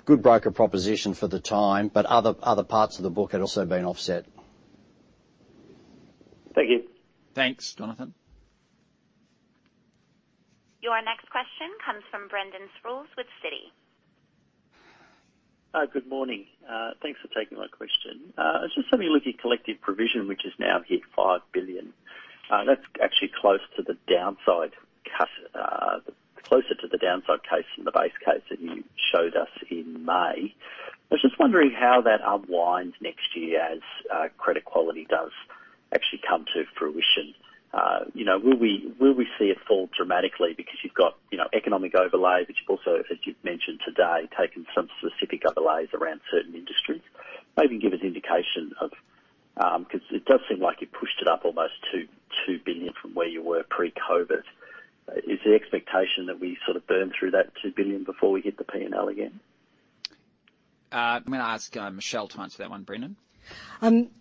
broker proposition for the time, but other parts of the book had also been offset. Thank you. Thanks, Jonathan. Your next question comes from Brendan Sproules with Citi. Good morning. Thanks for taking my question. Just having a look at collective provision, which is now hit 5 billion. That's actually close to the downside, closer to the downside case than the base case that you showed us in May. I was just wondering how that unwinds next year as credit quality does actually come to fruition. Will we see it fall dramatically because you've got economic overlay, but you've also, as you've mentioned today, taken some specific overlays around certain industries? Maybe give us an indication of, because it does seem like you pushed it up almost 2 billion from where you were pre-COVID. Is the expectation that we sort of burn through that 2 billion before we hit the P&L again? I'm going to ask Michelle to answer that one, Brendan.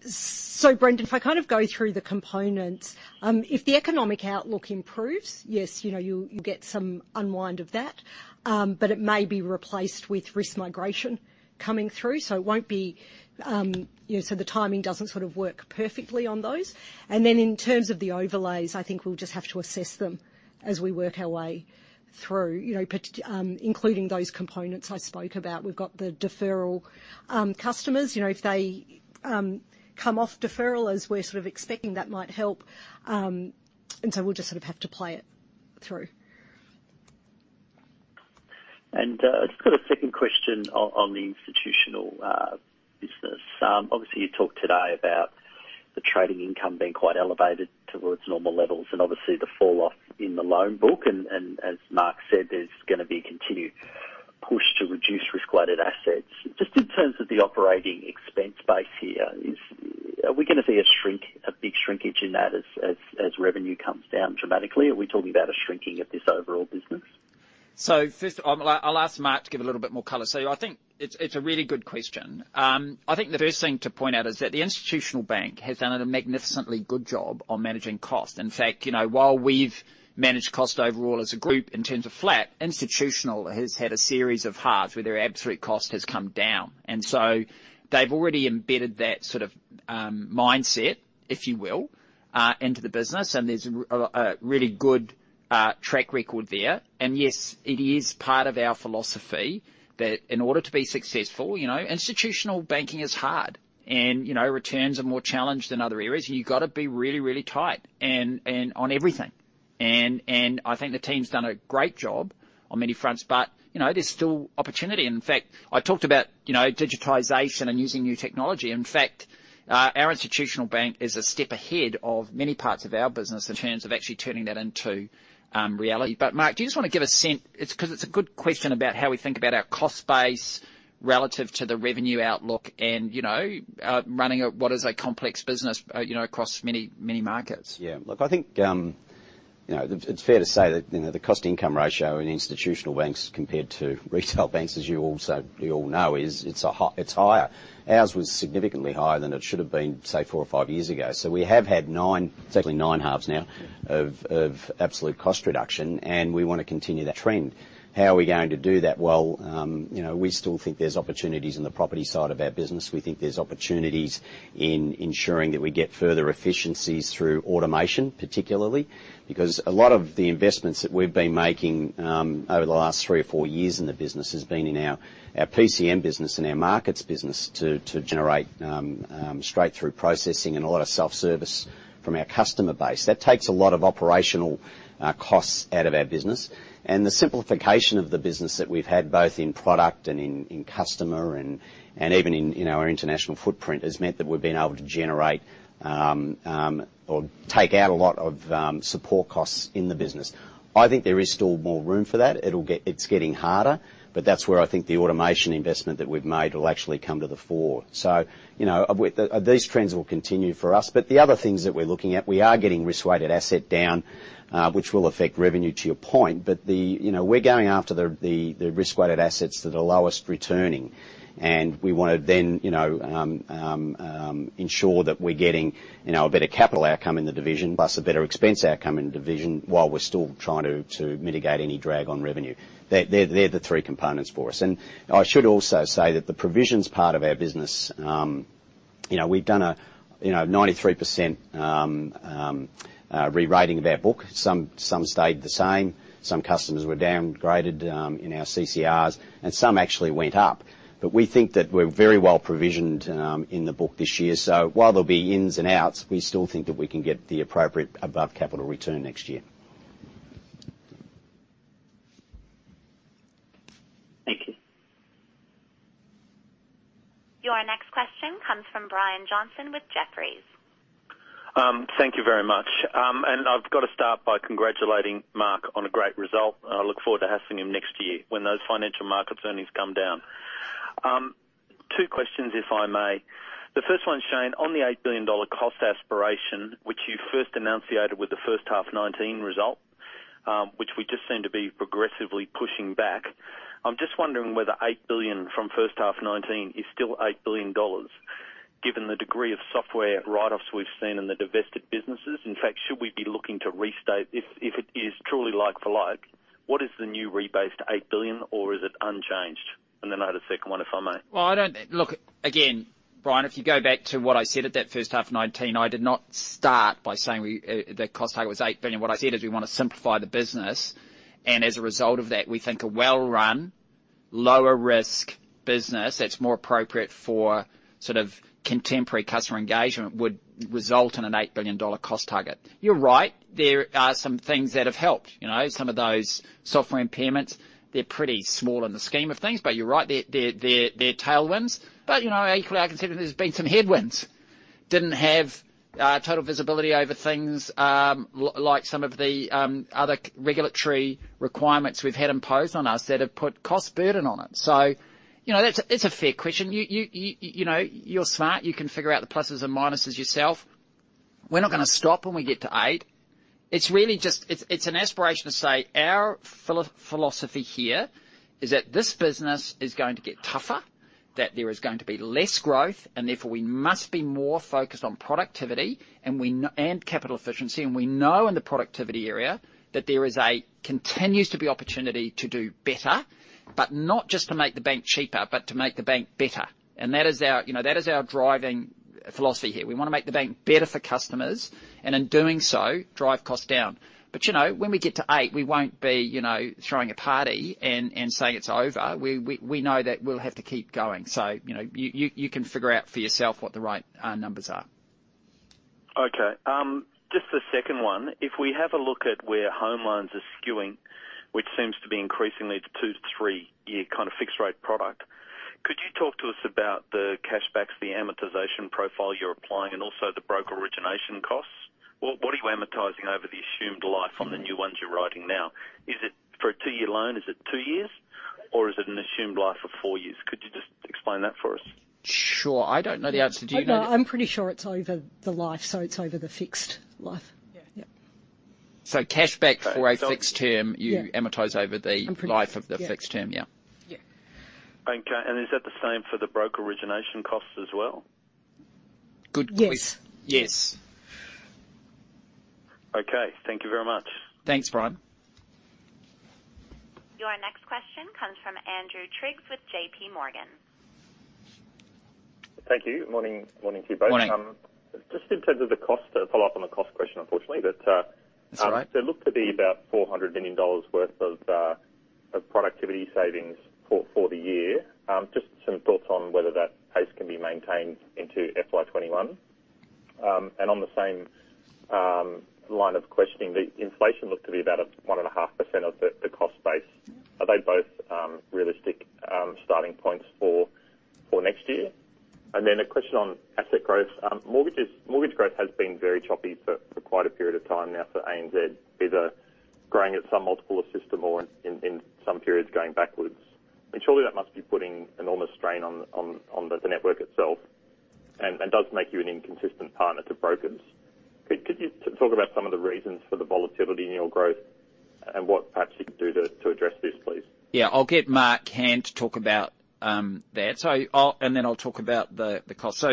So Brendan, if I kind of go through the components, if the economic outlook improves, yes, you'll get some unwind of that. But it may be replaced with risk migration coming through. The timing doesn't sort of work perfectly on those. And then in terms of the overlays, I think we'll just have to assess them as we work our way through, including those components I spoke about. We've got the deferral customers. If they come off deferral as we're sort of expecting, that might help. And so we'll just sort of have to play it through. And I just got a second question on the institutional business. Obviously, you talked today about the trading income being quite elevated towards normal levels and obviously the falloff in the loan book. And as Mark said, there's going to be a continued push to reduce risk-weighted assets. Just in terms of the operating expense base here, are we going to see a big shrinkage in that as revenue comes down dramatically? Are we talking about a shrinking of this overall business? First, I'll ask Mark to give a little bit more color. I think it's a really good question. I think the first thing to point out is that the institutional bank has done a magnificently good job on managing cost. In fact, while we've managed cost overall as a group in terms of flat, institutional has had a series of halves where their absolute cost has come down. They've already embedded that sort of mindset, if you will, into the business. There's a really good track record there. Yes, it is part of our philosophy that in order to be successful, institutional banking is hard. Returns are more challenged than other areas. You've got to be really, really tight on everything. I think the team's done a great job on many fronts, but there's still opportunity. In fact, I talked about digitization and using new technology. In fact, our institutional bank is a step ahead of many parts of our business in terms of actually turning that into reality. Mark, do you just want to give a sense, because it's a good question about how we think about our cost base relative to the revenue outlook and running what is a complex business across many markets? Yeah. Look, I think it's fair to say that the cost-income ratio in institutional banks compared to retail banks, as you all know, it's higher. Ours was significantly higher than it should have been, say, four or five years ago. So we have had nine, it's actually nine halves now, of absolute cost reduction. We want to continue that trend. How are we going to do that? Well, we still think there's opportunities in the property side of our business. We think there's opportunities in ensuring that we get further efficiencies through automation, particularly. Because a lot of the investments that we've been making over the last three or four years in the business has been in our PCM business and our markets business to generate straight-through processing and a lot of self-service from our customer base. That takes a lot of operational costs out of our business. And the simplification of the business that we've had, both in product and in customer and even in our international footprint, has meant that we've been able to generate or take out a lot of support costs in the business. I think there is still more room for that. It's getting harder. But that's where I think the automation investment that we've made will actually come to the fore. So these trends will continue for us. But the other things that we're looking at, we are getting risk-weighted asset down, which will affect revenue, to your point. But we're going after the risk-weighted assets that are lowest returning. And we want to then ensure that we're getting a better capital outcome in the division, plus a better expense outcome in the division while we're still trying to mitigate any drag on revenue. They're the three components for us. And I should also say that the provisions part of our business, we've done a 93% re-rating of our book. Some stayed the same. Some customers were downgraded in our CCRs. And some actually went up. But we think that we're very well provisioned in the book this year. So while there'll be ins and outs, we still think that we can get the appropriate above-capital return next year. Thank you. Your next question comes from Brian Johnson with Jefferies. Thank you very much. And I've got to start by congratulating Mark on a great result. And I look forward to having him next year when those financial markets earnings come down. Two questions, if I may. The first one, Shayne, on the $8 billion cost aspiration, which you first enunciated with the first half 2019 result, which we just seem to be progressively pushing back, I'm just wondering whether $8 billion from first half 2019 is still $8 billion given the degree of software write-offs we've seen in the divested businesses. In fact, should we be looking to restate if it is truly like for like, what is the new rebased $8 billion, or is it unchanged? And then I had a second one, if I may. Well, look, again, Brian, if you go back to what I said at that first half 2019, I did not start by saying the cost target was 8 billion. What I said is we want to simplify the business. And as a result of that, we think a well-run, lower-risk business that's more appropriate for sort of contemporary customer engagement would result in an 8 billion dollar cost target. You're right. There are some things that have helped. Some of those software impairments, they're pretty small in the scheme of things. But you're right, they're tailwinds. But equally, I can see that there's been some headwinds. Didn't have total visibility over things like some of the other regulatory requirements we've had imposed on us that have put cost burden on it. So it's a fair question. You're smart. You can figure out the pluses and minuses yourself. We're not going to stop when we get to $8. It's an aspiration to say our philosophy here is that this business is going to get tougher, that there is going to be less growth, and therefore we must be more focused on productivity and capital efficiency, and we know in the productivity area that there continues to be opportunity to do better, but not just to make the bank cheaper, but to make the bank better, and that is our driving philosophy here. We want to make the bank better for customers and in doing so, drive costs down, but when we get to $8, we won't be throwing a party and saying it's over. We know that we'll have to keep going, so you can figure out for yourself what the right numbers are. Okay. Just the second one. If we have a look at where home loans are skewing, which seems to be increasingly the two- to three-year kind of fixed-rate product, could you talk to us about the cashbacks, the amortization profile you're applying, and also the broker origination costs? What are you amortizing over the assumed life on the new ones you're writing now? For a two-year loan, is it two years, or is it an assumed life of four years? Could you just explain that for us? Sure. I don't know the answer. Do you know? I'm pretty sure it's over the life. So it's over the fixed life. Yeah. So cashback for a fixed term, you amortize over the life of the fixed term. Yeah. Okay. And is that the same for the broker origination costs as well? Good question. Yes. Yes. Okay. Thank you very much. Thanks, Brian. Your next question comes from Andrew Triggs with JPMorgan. Thank you. Good morning to you both. Morning. Just in terms of the cost, I'll follow up on the cost question, unfortunately. That's all right. There look to be about 400 million dollars worth of productivity savings for the year. Just some thoughts on whether that pace can be maintained into FY 2021. And on the same line of questioning, the inflation looked to be about 1.5% of the cost base. Are they both realistic starting points for next year? And then a question on asset growth. Mortgage growth has been very choppy for quite a period of time now for ANZ. Either growing at some multiple of system or in some periods going backwards. And surely that must be putting enormous strain on the network itself and does make you an inconsistent partner to brokers. Could you talk about some of the reasons for the volatility in your growth and what perhaps you could do to address this, please? Yeah. I'll get Mark Hand to talk about that. And then I'll talk about the cost. So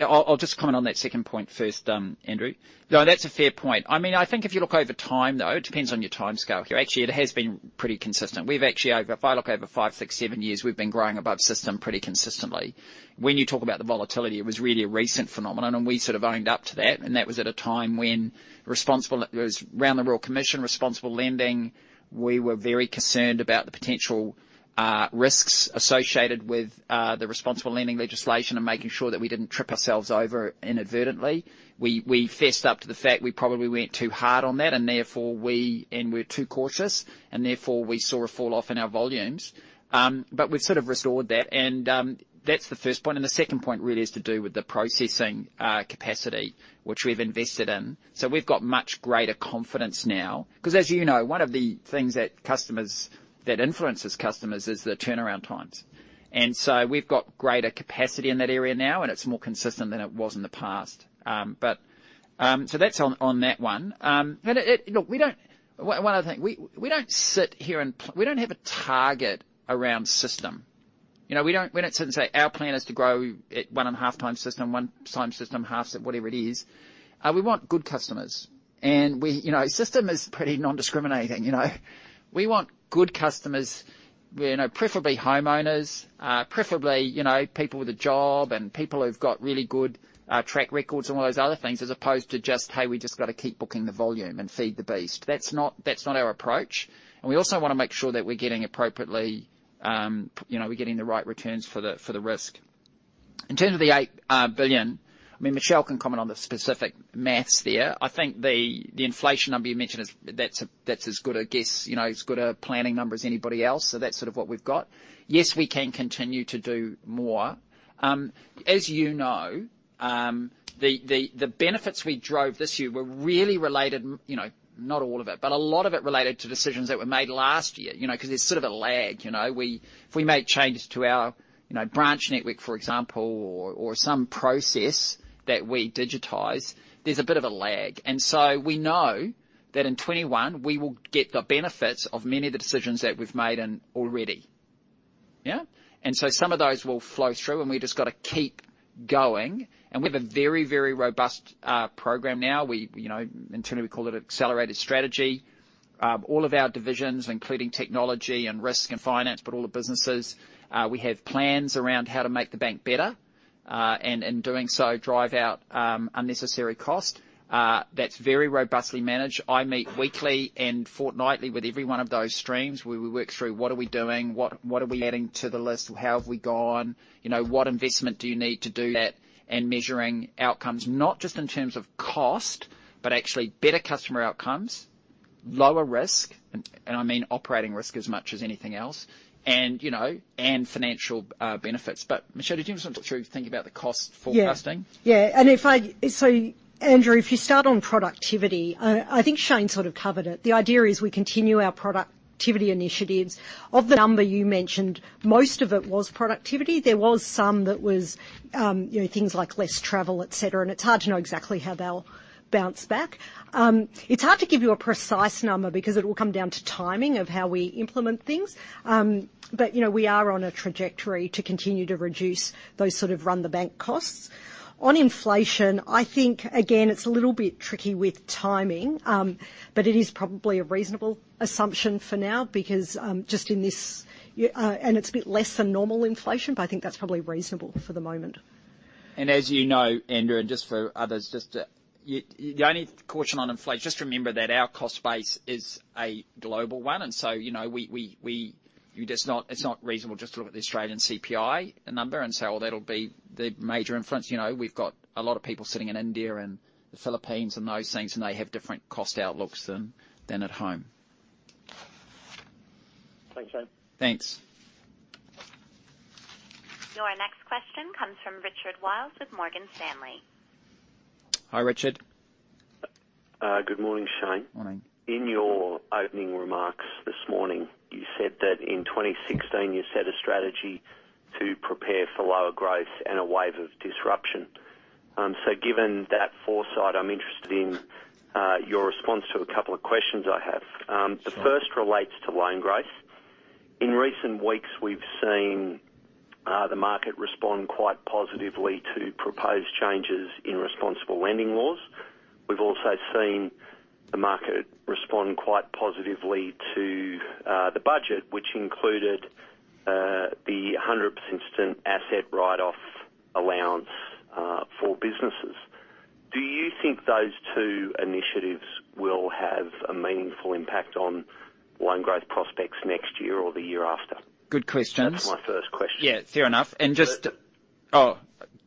I'll just comment on that second point first, Andrew. No, that's a fair point. I mean, I think if you look over time, though, it depends on your timescale here. Actually, it has been pretty consistent. If I look over five, six, seven years, we've been growing above system pretty consistently. When you talk about the volatility, it was really a recent phenomenon. And we sort of owned up to that. And that was at a time when it was around the Royal Commission, responsible lending. We were very concerned about the potential risks associated with the responsible lending legislation and making sure that we didn't trip ourselves over inadvertently. We fessed up to the fact we probably went too hard on that, and therefore we were too cautious. And therefore, we saw a fall off in our volumes. But we've sort of restored that. And that's the first point. And the second point really has to do with the processing capacity, which we've invested in. So we've got much greater confidence now. Because as you know, one of the things that influences customers is the turnaround times. And so we've got greater capacity in that area now, and it's more consistent than it was in the past. So that's on that one. Look, one other thing. We don't sit here and we don't have a target around system. We don't sit and say, "Our plan is to grow at one-and-a-half-time system, one-time system, half-time, whatever it is." We want good customers. And system is pretty non-discriminating. We want good customers, preferably homeowners, preferably people with a job, and people who've got really good track records and all those other things, as opposed to just, "Hey, we just got to keep booking the volume and feed the beast." That's not our approach. And we also want to make sure that we're getting appropriately, we're getting the right returns for the risk. In terms of the 8 billion, I mean, Michelle can comment on the specific math there. I think the inflation number you mentioned, that's as good a guess, as good a planning number as anybody else. So that's sort of what we've got. Yes, we can continue to do more. As you know, the benefits we drove this year were really related, not all of it, but a lot of it related to decisions that were made last year. Because there's sort of a lag. If we make changes to our branch network, for example, or some process that we digitize, there's a bit of a lag, and so we know that in 2021, we will get the benefits of many of the decisions that we've made already. Yeah? And so some of those will flow through, and we've just got to keep going, and we have a very, very robust program now. Internally, we call it accelerated strategy. All of our divisions, including technology and risk and finance, but all the businesses, we have plans around how to make the bank better and, in doing so, drive out unnecessary cost. That's very robustly managed. I meet weekly and fortnightly with every one of those streams. We work through what are we doing, what are we adding to the list, how have we gone, what investment do you need to do that, and measuring outcomes, not just in terms of cost, but actually better customer outcomes, lower risk, and I mean operating risk as much as anything else, and financial benefits. But Michelle, did you just want to talk through thinking about the cost forecasting? Yeah. Yeah. And so, Andrew, if you start on productivity, I think Shayne sort of covered it. The idea is we continue our productivity initiatives. Of the number you mentioned, most of it was productivity. There was some that was things like less travel, etc. And it's hard to know exactly how they'll bounce back. It's hard to give you a precise number because it will come down to timing of how we implement things. But we are on a trajectory to continue to reduce those sort of run-the-bank costs. On inflation, I think, again, it's a little bit tricky with timing, but it is probably a reasonable assumption for now because just in this, and it's a bit less than normal inflation, but I think that's probably reasonable for the moment. And as you know, Andrew, and just for others, just the only caution on inflation, just remember that our cost base is a global one. And so it's not reasonable just to look at the Australian CPI number and say, "Oh, that'll be the major influence." We've got a lot of people sitting in India and the Philippines and those things, and they have different cost outlooks than at home. Thanks, Shayne. Thanks. Your next question comes from Richard Wiles with Morgan Stanley. Hi, Richard. Good morning, Shayne. Morning. In your opening remarks this morning, you said that in 2016, you set a strategy to prepare for lower growth and a wave of disruption. So given that foresight, I'm interested in your response to a couple of questions I have. The first relates to loan growth. In recent weeks, we've seen the market respond quite positively to proposed changes in responsible lending laws. We've also seen the market respond quite positively to the budget, which included the 100% asset write-off allowance for businesses. Do you think those two initiatives will have a meaningful impact on loan growth prospects next year or the year after? Good question. That's my first question. Yeah. Fair enough. And just, oh,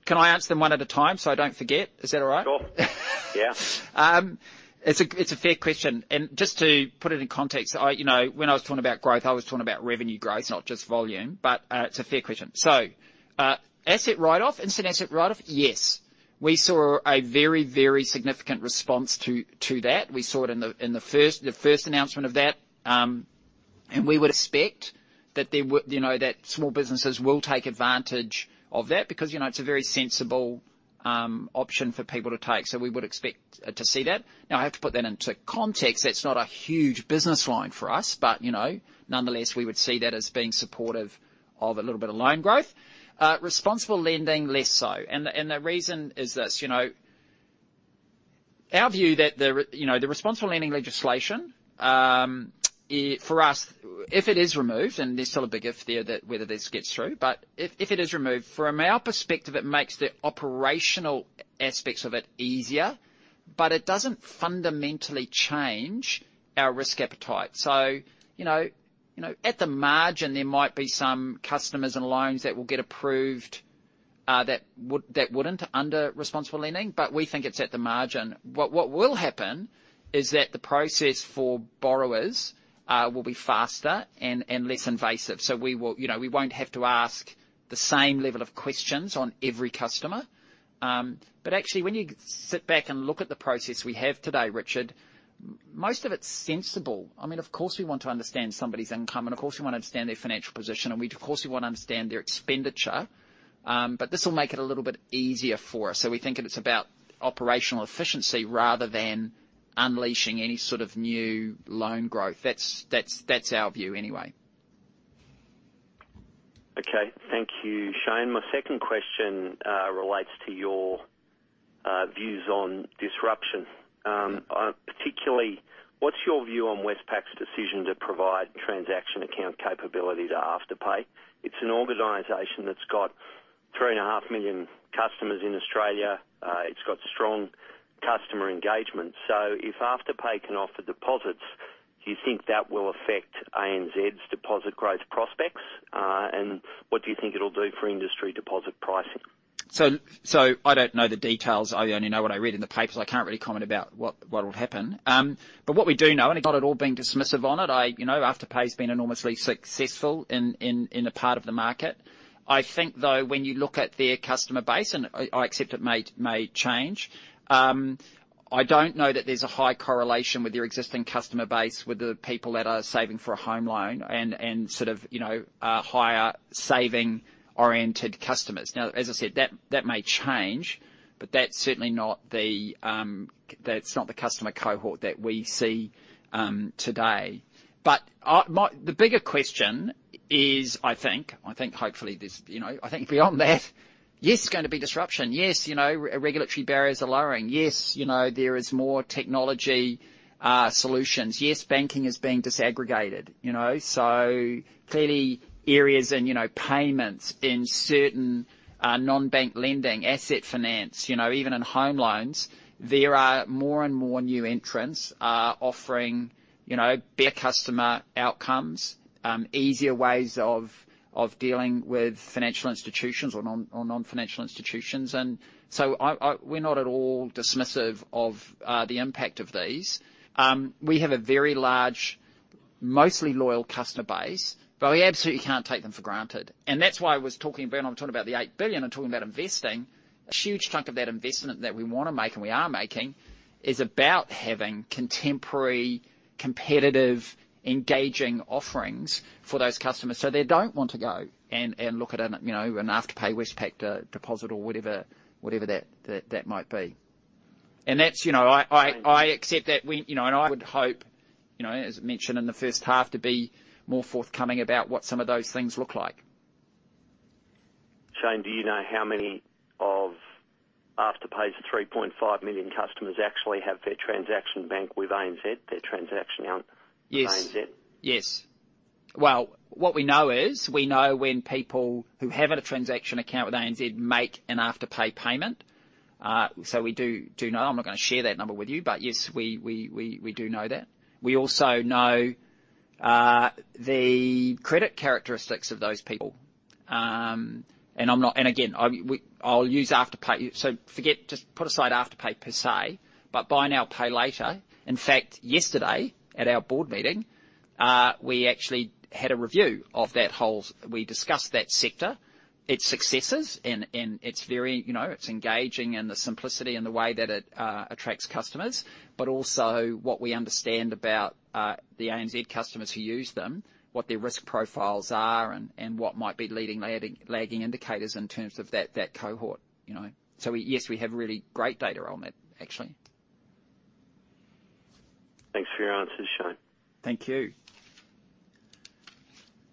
can I answer them one at a time so I don't forget? Is that all right? Sure. Yeah. It's a fair question. And just to put it in context, when I was talking about growth, I was talking about revenue growth, not just volume. But it's a fair question. So asset write-off, instant asset write-off, yes. We saw a very, very significant response to that. We saw it in the first announcement of that. And we would expect that small businesses will take advantage of that because it's a very sensible option for people to take. So we would expect to see that. Now, I have to put that into context. That's not a huge business line for us. But nonetheless, we would see that as being supportive of a little bit of loan growth. Responsible lending, less so. And the reason is this: our view that the responsible lending legislation, for us, if it is removed, and there's still a big if there that whether this gets through, but if it is removed, from our perspective, it makes the operational aspects of it easier, but it doesn't fundamentally change our risk appetite. So at the margin, there might be some customers and loans that will get approved that wouldn't under responsible lending. But we think it's at the margin. What will happen is that the process for borrowers will be faster and less invasive. So we won't have to ask the same level of questions on every customer. But actually, when you sit back and look at the process we have today, Richard, most of it's sensible. I mean, of course, we want to understand somebody's income, and of course, we want to understand their financial position, and of course, we want to understand their expenditure. But this will make it a little bit easier for us. So we think it's about operational efficiency rather than unleashing any sort of new loan growth. That's our view anyway. Okay. Thank you, Shayne. My second question relates to your views on disruption. Particularly, what's your view on Westpac's decision to provide transaction account capability to Afterpay? It's an organization that's got 3.5 million customers in Australia. It's got strong customer engagement. So if Afterpay can offer deposits, do you think that will affect ANZ's deposit growth prospects? And what do you think it'll do for industry deposit pricing? So I don't know the details. I only know what I read in the papers. I can't really comment about what will happen. But what we do know, and not at all being dismissive on it, Afterpay's been enormously successful in a part of the market. I think, though, when you look at their customer base - and I accept it may change - I don't know that there's a high correlation with their existing customer base, with the people that are saving for a home loan, and sort of higher saving-oriented customers. Now, as I said, that may change, but that's certainly not the - it's not the customer cohort that we see today. But the bigger question is, I think - I think hopefully there's - I think beyond that, yes, there's going to be disruption. Yes, regulatory barriers are lowering. Yes, there is more technology solutions. Yes, banking is being disaggregated. Clearly, areas in payments in certain non-bank lending, asset finance, even in home loans, there are more and more new entrants offering better customer outcomes, easier ways of dealing with financial institutions or non-financial institutions. And so we're not at all dismissive of the impact of these. We have a very large, mostly loyal customer base, but we absolutely can't take them for granted. And that's why I was talking about. I'm talking about the 8 billion. I'm talking about investing. A huge chunk of that investment that we want to make, and we are making, is about having contemporary, competitive, engaging offerings for those customers so they don't want to go and look at an Afterpay, Westpac, deposit, or whatever that might be. And I accept that we, and I would hope, as mentioned in the first half, to be more forthcoming about what some of those things look like. Shayne, do you know how many of Afterpay's 3.5 million customers actually have their transaction bank with ANZ, their transaction account with ANZ? Yes. Well, what we know is we know when people who have a transaction account with ANZ make an Afterpay payment. So we do know. I'm not going to share that number with you. But yes, we do know that. We also know the credit characteristics of those people. And again, I'll use Afterpay. So forget, just put aside Afterpay per se, but buy now, pay later. In fact, yesterday, at our board meeting, we actually had a review of that whole, we discussed that sector, its successes, and it's very, it's engaging and the simplicity and the way that it attracts customers, but also what we understand about the ANZ customers who use them, what their risk profiles are, and what might be leading lagging indicators in terms of that cohort. So yes, we have really great data on it, actually. Thanks for your answers, Shayne. Thank you.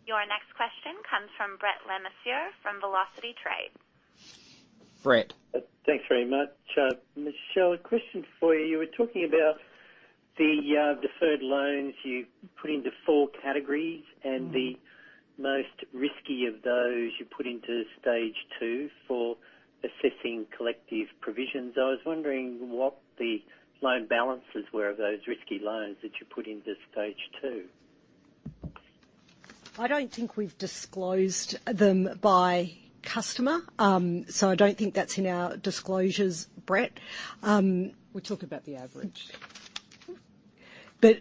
Your next question comes from Brett Le Mesurier from Velocity Trade. Brett. Thanks very much, Michelle. A question for you. You were talking about the deferred loans you put into four categories and the most risky of those you put into Stage 2 for assessing collective provisions. I was wondering what the loan balances were of those risky loans that you put into Stage 2. I don't think we've disclosed them by customer. So I don't think that's in our disclosures, Brett. We're talking about the average. But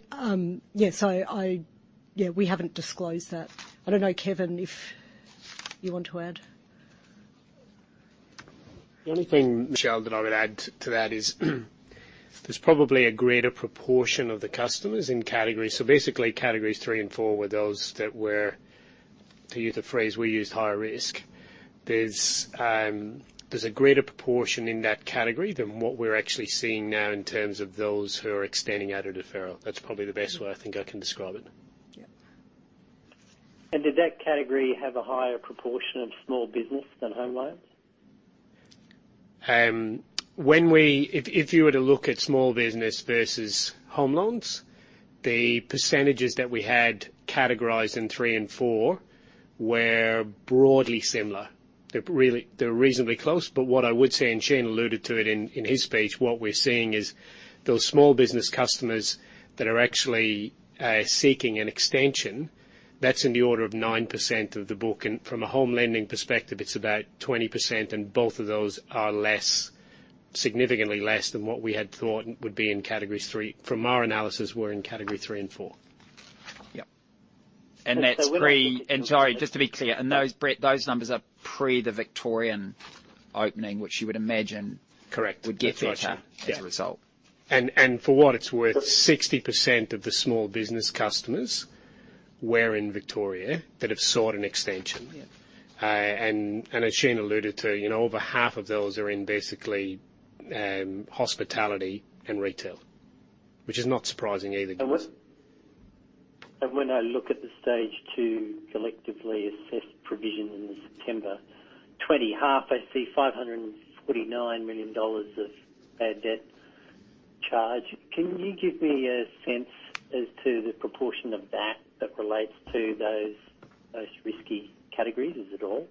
yeah, so yeah, we haven't disclosed that. I don't know, Kevin, if you want to add The only thing, Michelle, that I would add to that is there's probably a greater proportion of the customers in categories. So basically, categories three and four were those that were, to use a phrase we used, higher risk. There's a greater proportion in that category than what we're actually seeing now in terms of those who are extending out a deferral. That's probably the best way I think I can describe it. Yep. And did that category have a higher proportion of small business than home loans? If you were to look at small business versus home loans, the percentages that we had categorized in three and four were broadly similar. They're reasonably close. But what I would say, and Shayne alluded to it in his speech, what we're seeing is those small business customers that are actually seeking an extension, that's in the order of 9% of the book, and from a home lending perspective, it's about 20%, and both of those are significantly less than what we had thought would be in categories three. From our analysis, we're in category three and four. Yep, and that's pre, and sorry, just to be clear, and those numbers are pre the Victorian opening, which you would imagine would get better as a result. Correct. Yep, and for what it's worth, 60% of the small business customers were in Victoria that have sought an extension. And as Shayne alluded to, over half of those are in basically hospitality and retail, which is not surprising either. And when I look at the Stage 2 collectively assessed provision in September 2020 half, I see 549 million dollars of bad debt charge. Can you give me a sense as to the proportion of that that relates to those risky categories? Is it all?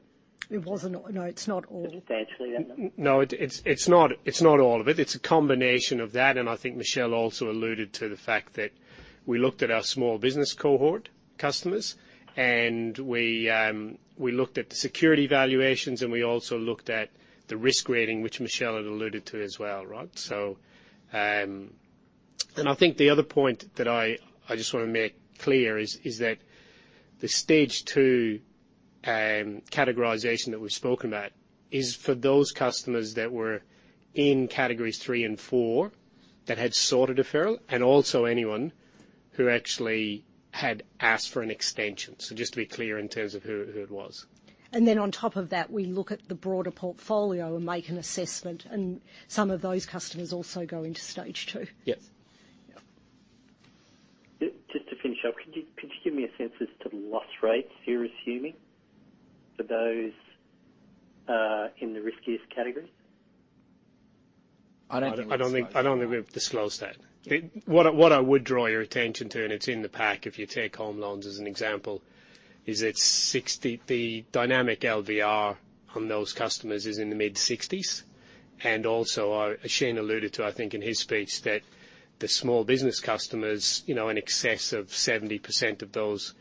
It wasn't. No, it's not all. Substantially, that number? No, it's not all of it. It's a combination of that. And I think Michelle also alluded to the fact that we looked at our small business cohort customers, and we looked at the security valuations, and we also looked at the risk rating, which Michelle had alluded to as well, right? And I think the other point that I just want to make clear is that the Stage 2 categorization that we've spoken about is for those customers that were in categories three and four that had sought a deferral, and also anyone who actually had asked for an extension. So just to be clear in terms of who it was. And then on top of that, we look at the broader portfolio and make an assessment. And some of those customers also go into Stage 2. Yep. Yep. Just to finish up, could you give me a sense as to the loss rates you're assuming for those in the riskiest categories? I don't think we've disclosed that. What I would draw your attention to, and it's in the pack if you take home loans as an example, is the Dynamic LVR on those customers is in the mid-60s. And also, as Shayne alluded to, I think in his speech, that the small business customers, an excess of 70% of those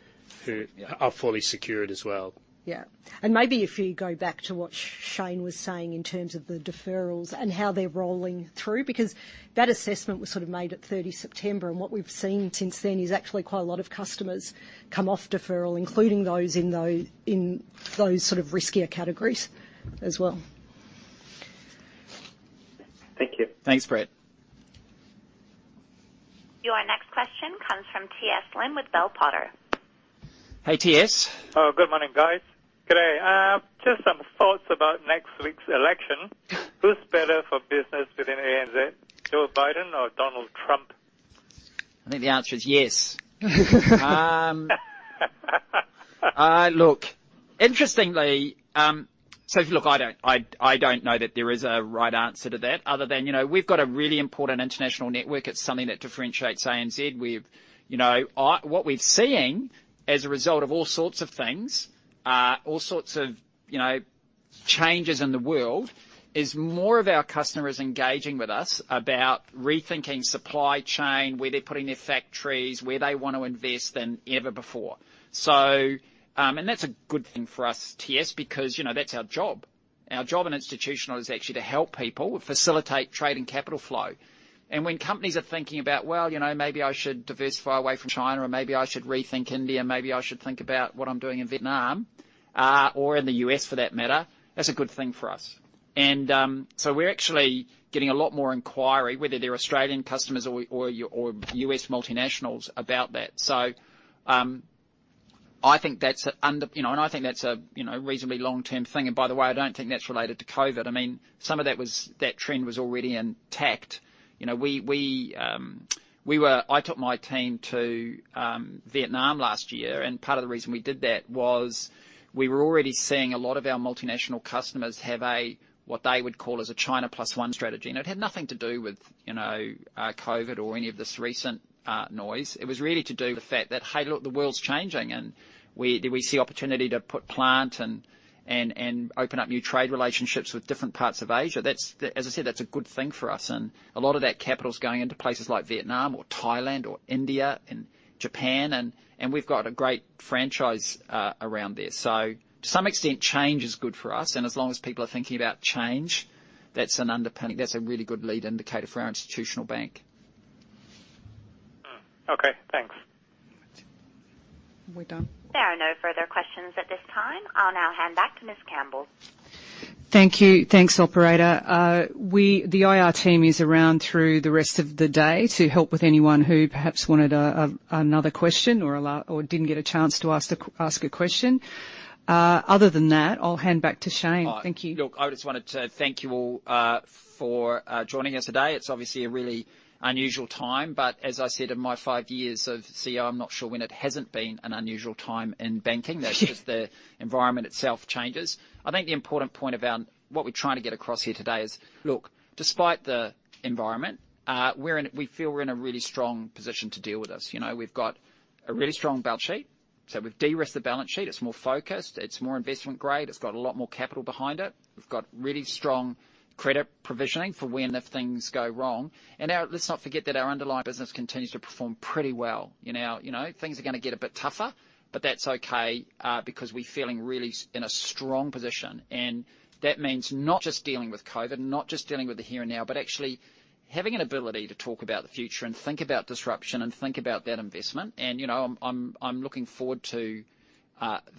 who are fully secured as well. Yeah. And maybe if you go back to what Shayne was saying in terms of the deferrals and how they're rolling through, because that assessment was sort of made at 30 September. And what we've seen since then is actually quite a lot of customers come off deferral, including those in those sort of riskier categories as well. Thank you. Thanks, Brett. Your next question comes from TS Lim with Bell Potter. Hey, TS. Oh, good morning, guys. Today, just some thoughts about next week's election. Who's better for business within ANZ, Joe Biden or Donald Trump? I think the answer is yes. interestingly - so look, I don't know that there is a right answer to that other than we've got a really important international network. It's something that differentiates ANZ. What we've seen as a result of all sorts of things, all sorts of changes in the world, is more of our customers engaging with us about rethinking supply chain, where they're putting their factories, where they want to invest than ever before. And that's a good thing for us, TS, because that's our job. Our job in institutional is actually to help people facilitate trade and capital flow. And when companies are thinking about, "Well, maybe I should diversify away from China, or maybe I should rethink India, maybe I should think about what I'm doing in Vietnam, or in the U.S. for that matter," that's a good thing for us. And so we're actually getting a lot more inquiry, whether they're Australian customers or U.S. multinationals, about that. So I think that's, and I think that's a reasonably long-term thing. And by the way, I don't think that's related to COVID. I mean, some of that trend was already intact. I took my team to Vietnam last year, and part of the reason we did that was we were already seeing a lot of our multinational customers have what they would call as a China Plus One strategy. And it had nothing to do with COVID or any of this recent noise. It was really to do with the fact that, "Hey, look, the world's changing, and do we see opportunity to put plant and open up new trade relationships with different parts of Asia?" As I said, that's a good thing for us. And a lot of that capital's going into places like Vietnam or Thailand or India and Japan, and we've got a great franchise around there. So to some extent, change is good for us. And as long as people are thinking about change, that's a really good lead indicator for our institutional bank. Okay. Thanks. We're done. There are no further questions at this time. I'll now hand back to Ms. Campbell. Thank you. Thanks, operator. The IR team is around through the rest of the day to help with anyone who perhaps wanted another question or didn't get a chance to ask a question. Other than that, I'll hand back to Shayne. Thank you. Look, I would just want to thank you all for joining us today. It's obviously a really unusual time. As I said, in my five years as CEO, I'm not sure when it hasn't been an unusual time in banking. That's just the environment itself changes. I think the important point of what we're trying to get across here today is, look, despite the environment, we feel we're in a really strong position to deal with this. We've got a really strong balance sheet. So we've de-risked the balance sheet. It's more focused. It's more investment-grade. It's got a lot more capital behind it. We've got really strong credit provisioning for when things go wrong. And let's not forget that our underlying business continues to perform pretty well. Things are going to get a bit tougher, but that's okay because we're feeling really in a strong position. And that means not just dealing with COVID, not just dealing with the here and now, but actually having an ability to talk about the future and think about disruption and think about that investment. And I'm looking forward to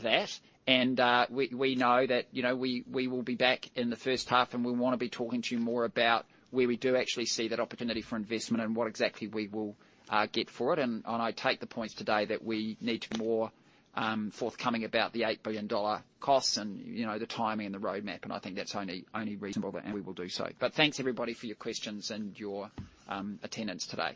that. And we know that we will be back in the first half, and we want to be talking to you more about where we do actually see that opportunity for investment and what exactly we will get for it. And I take the points today that we need to be more forthcoming about the 8 billion dollar costs and the timing and the roadmap. And I think that's only reasonable, and we will do so. But thanks, everybody, for your questions and your attendance today.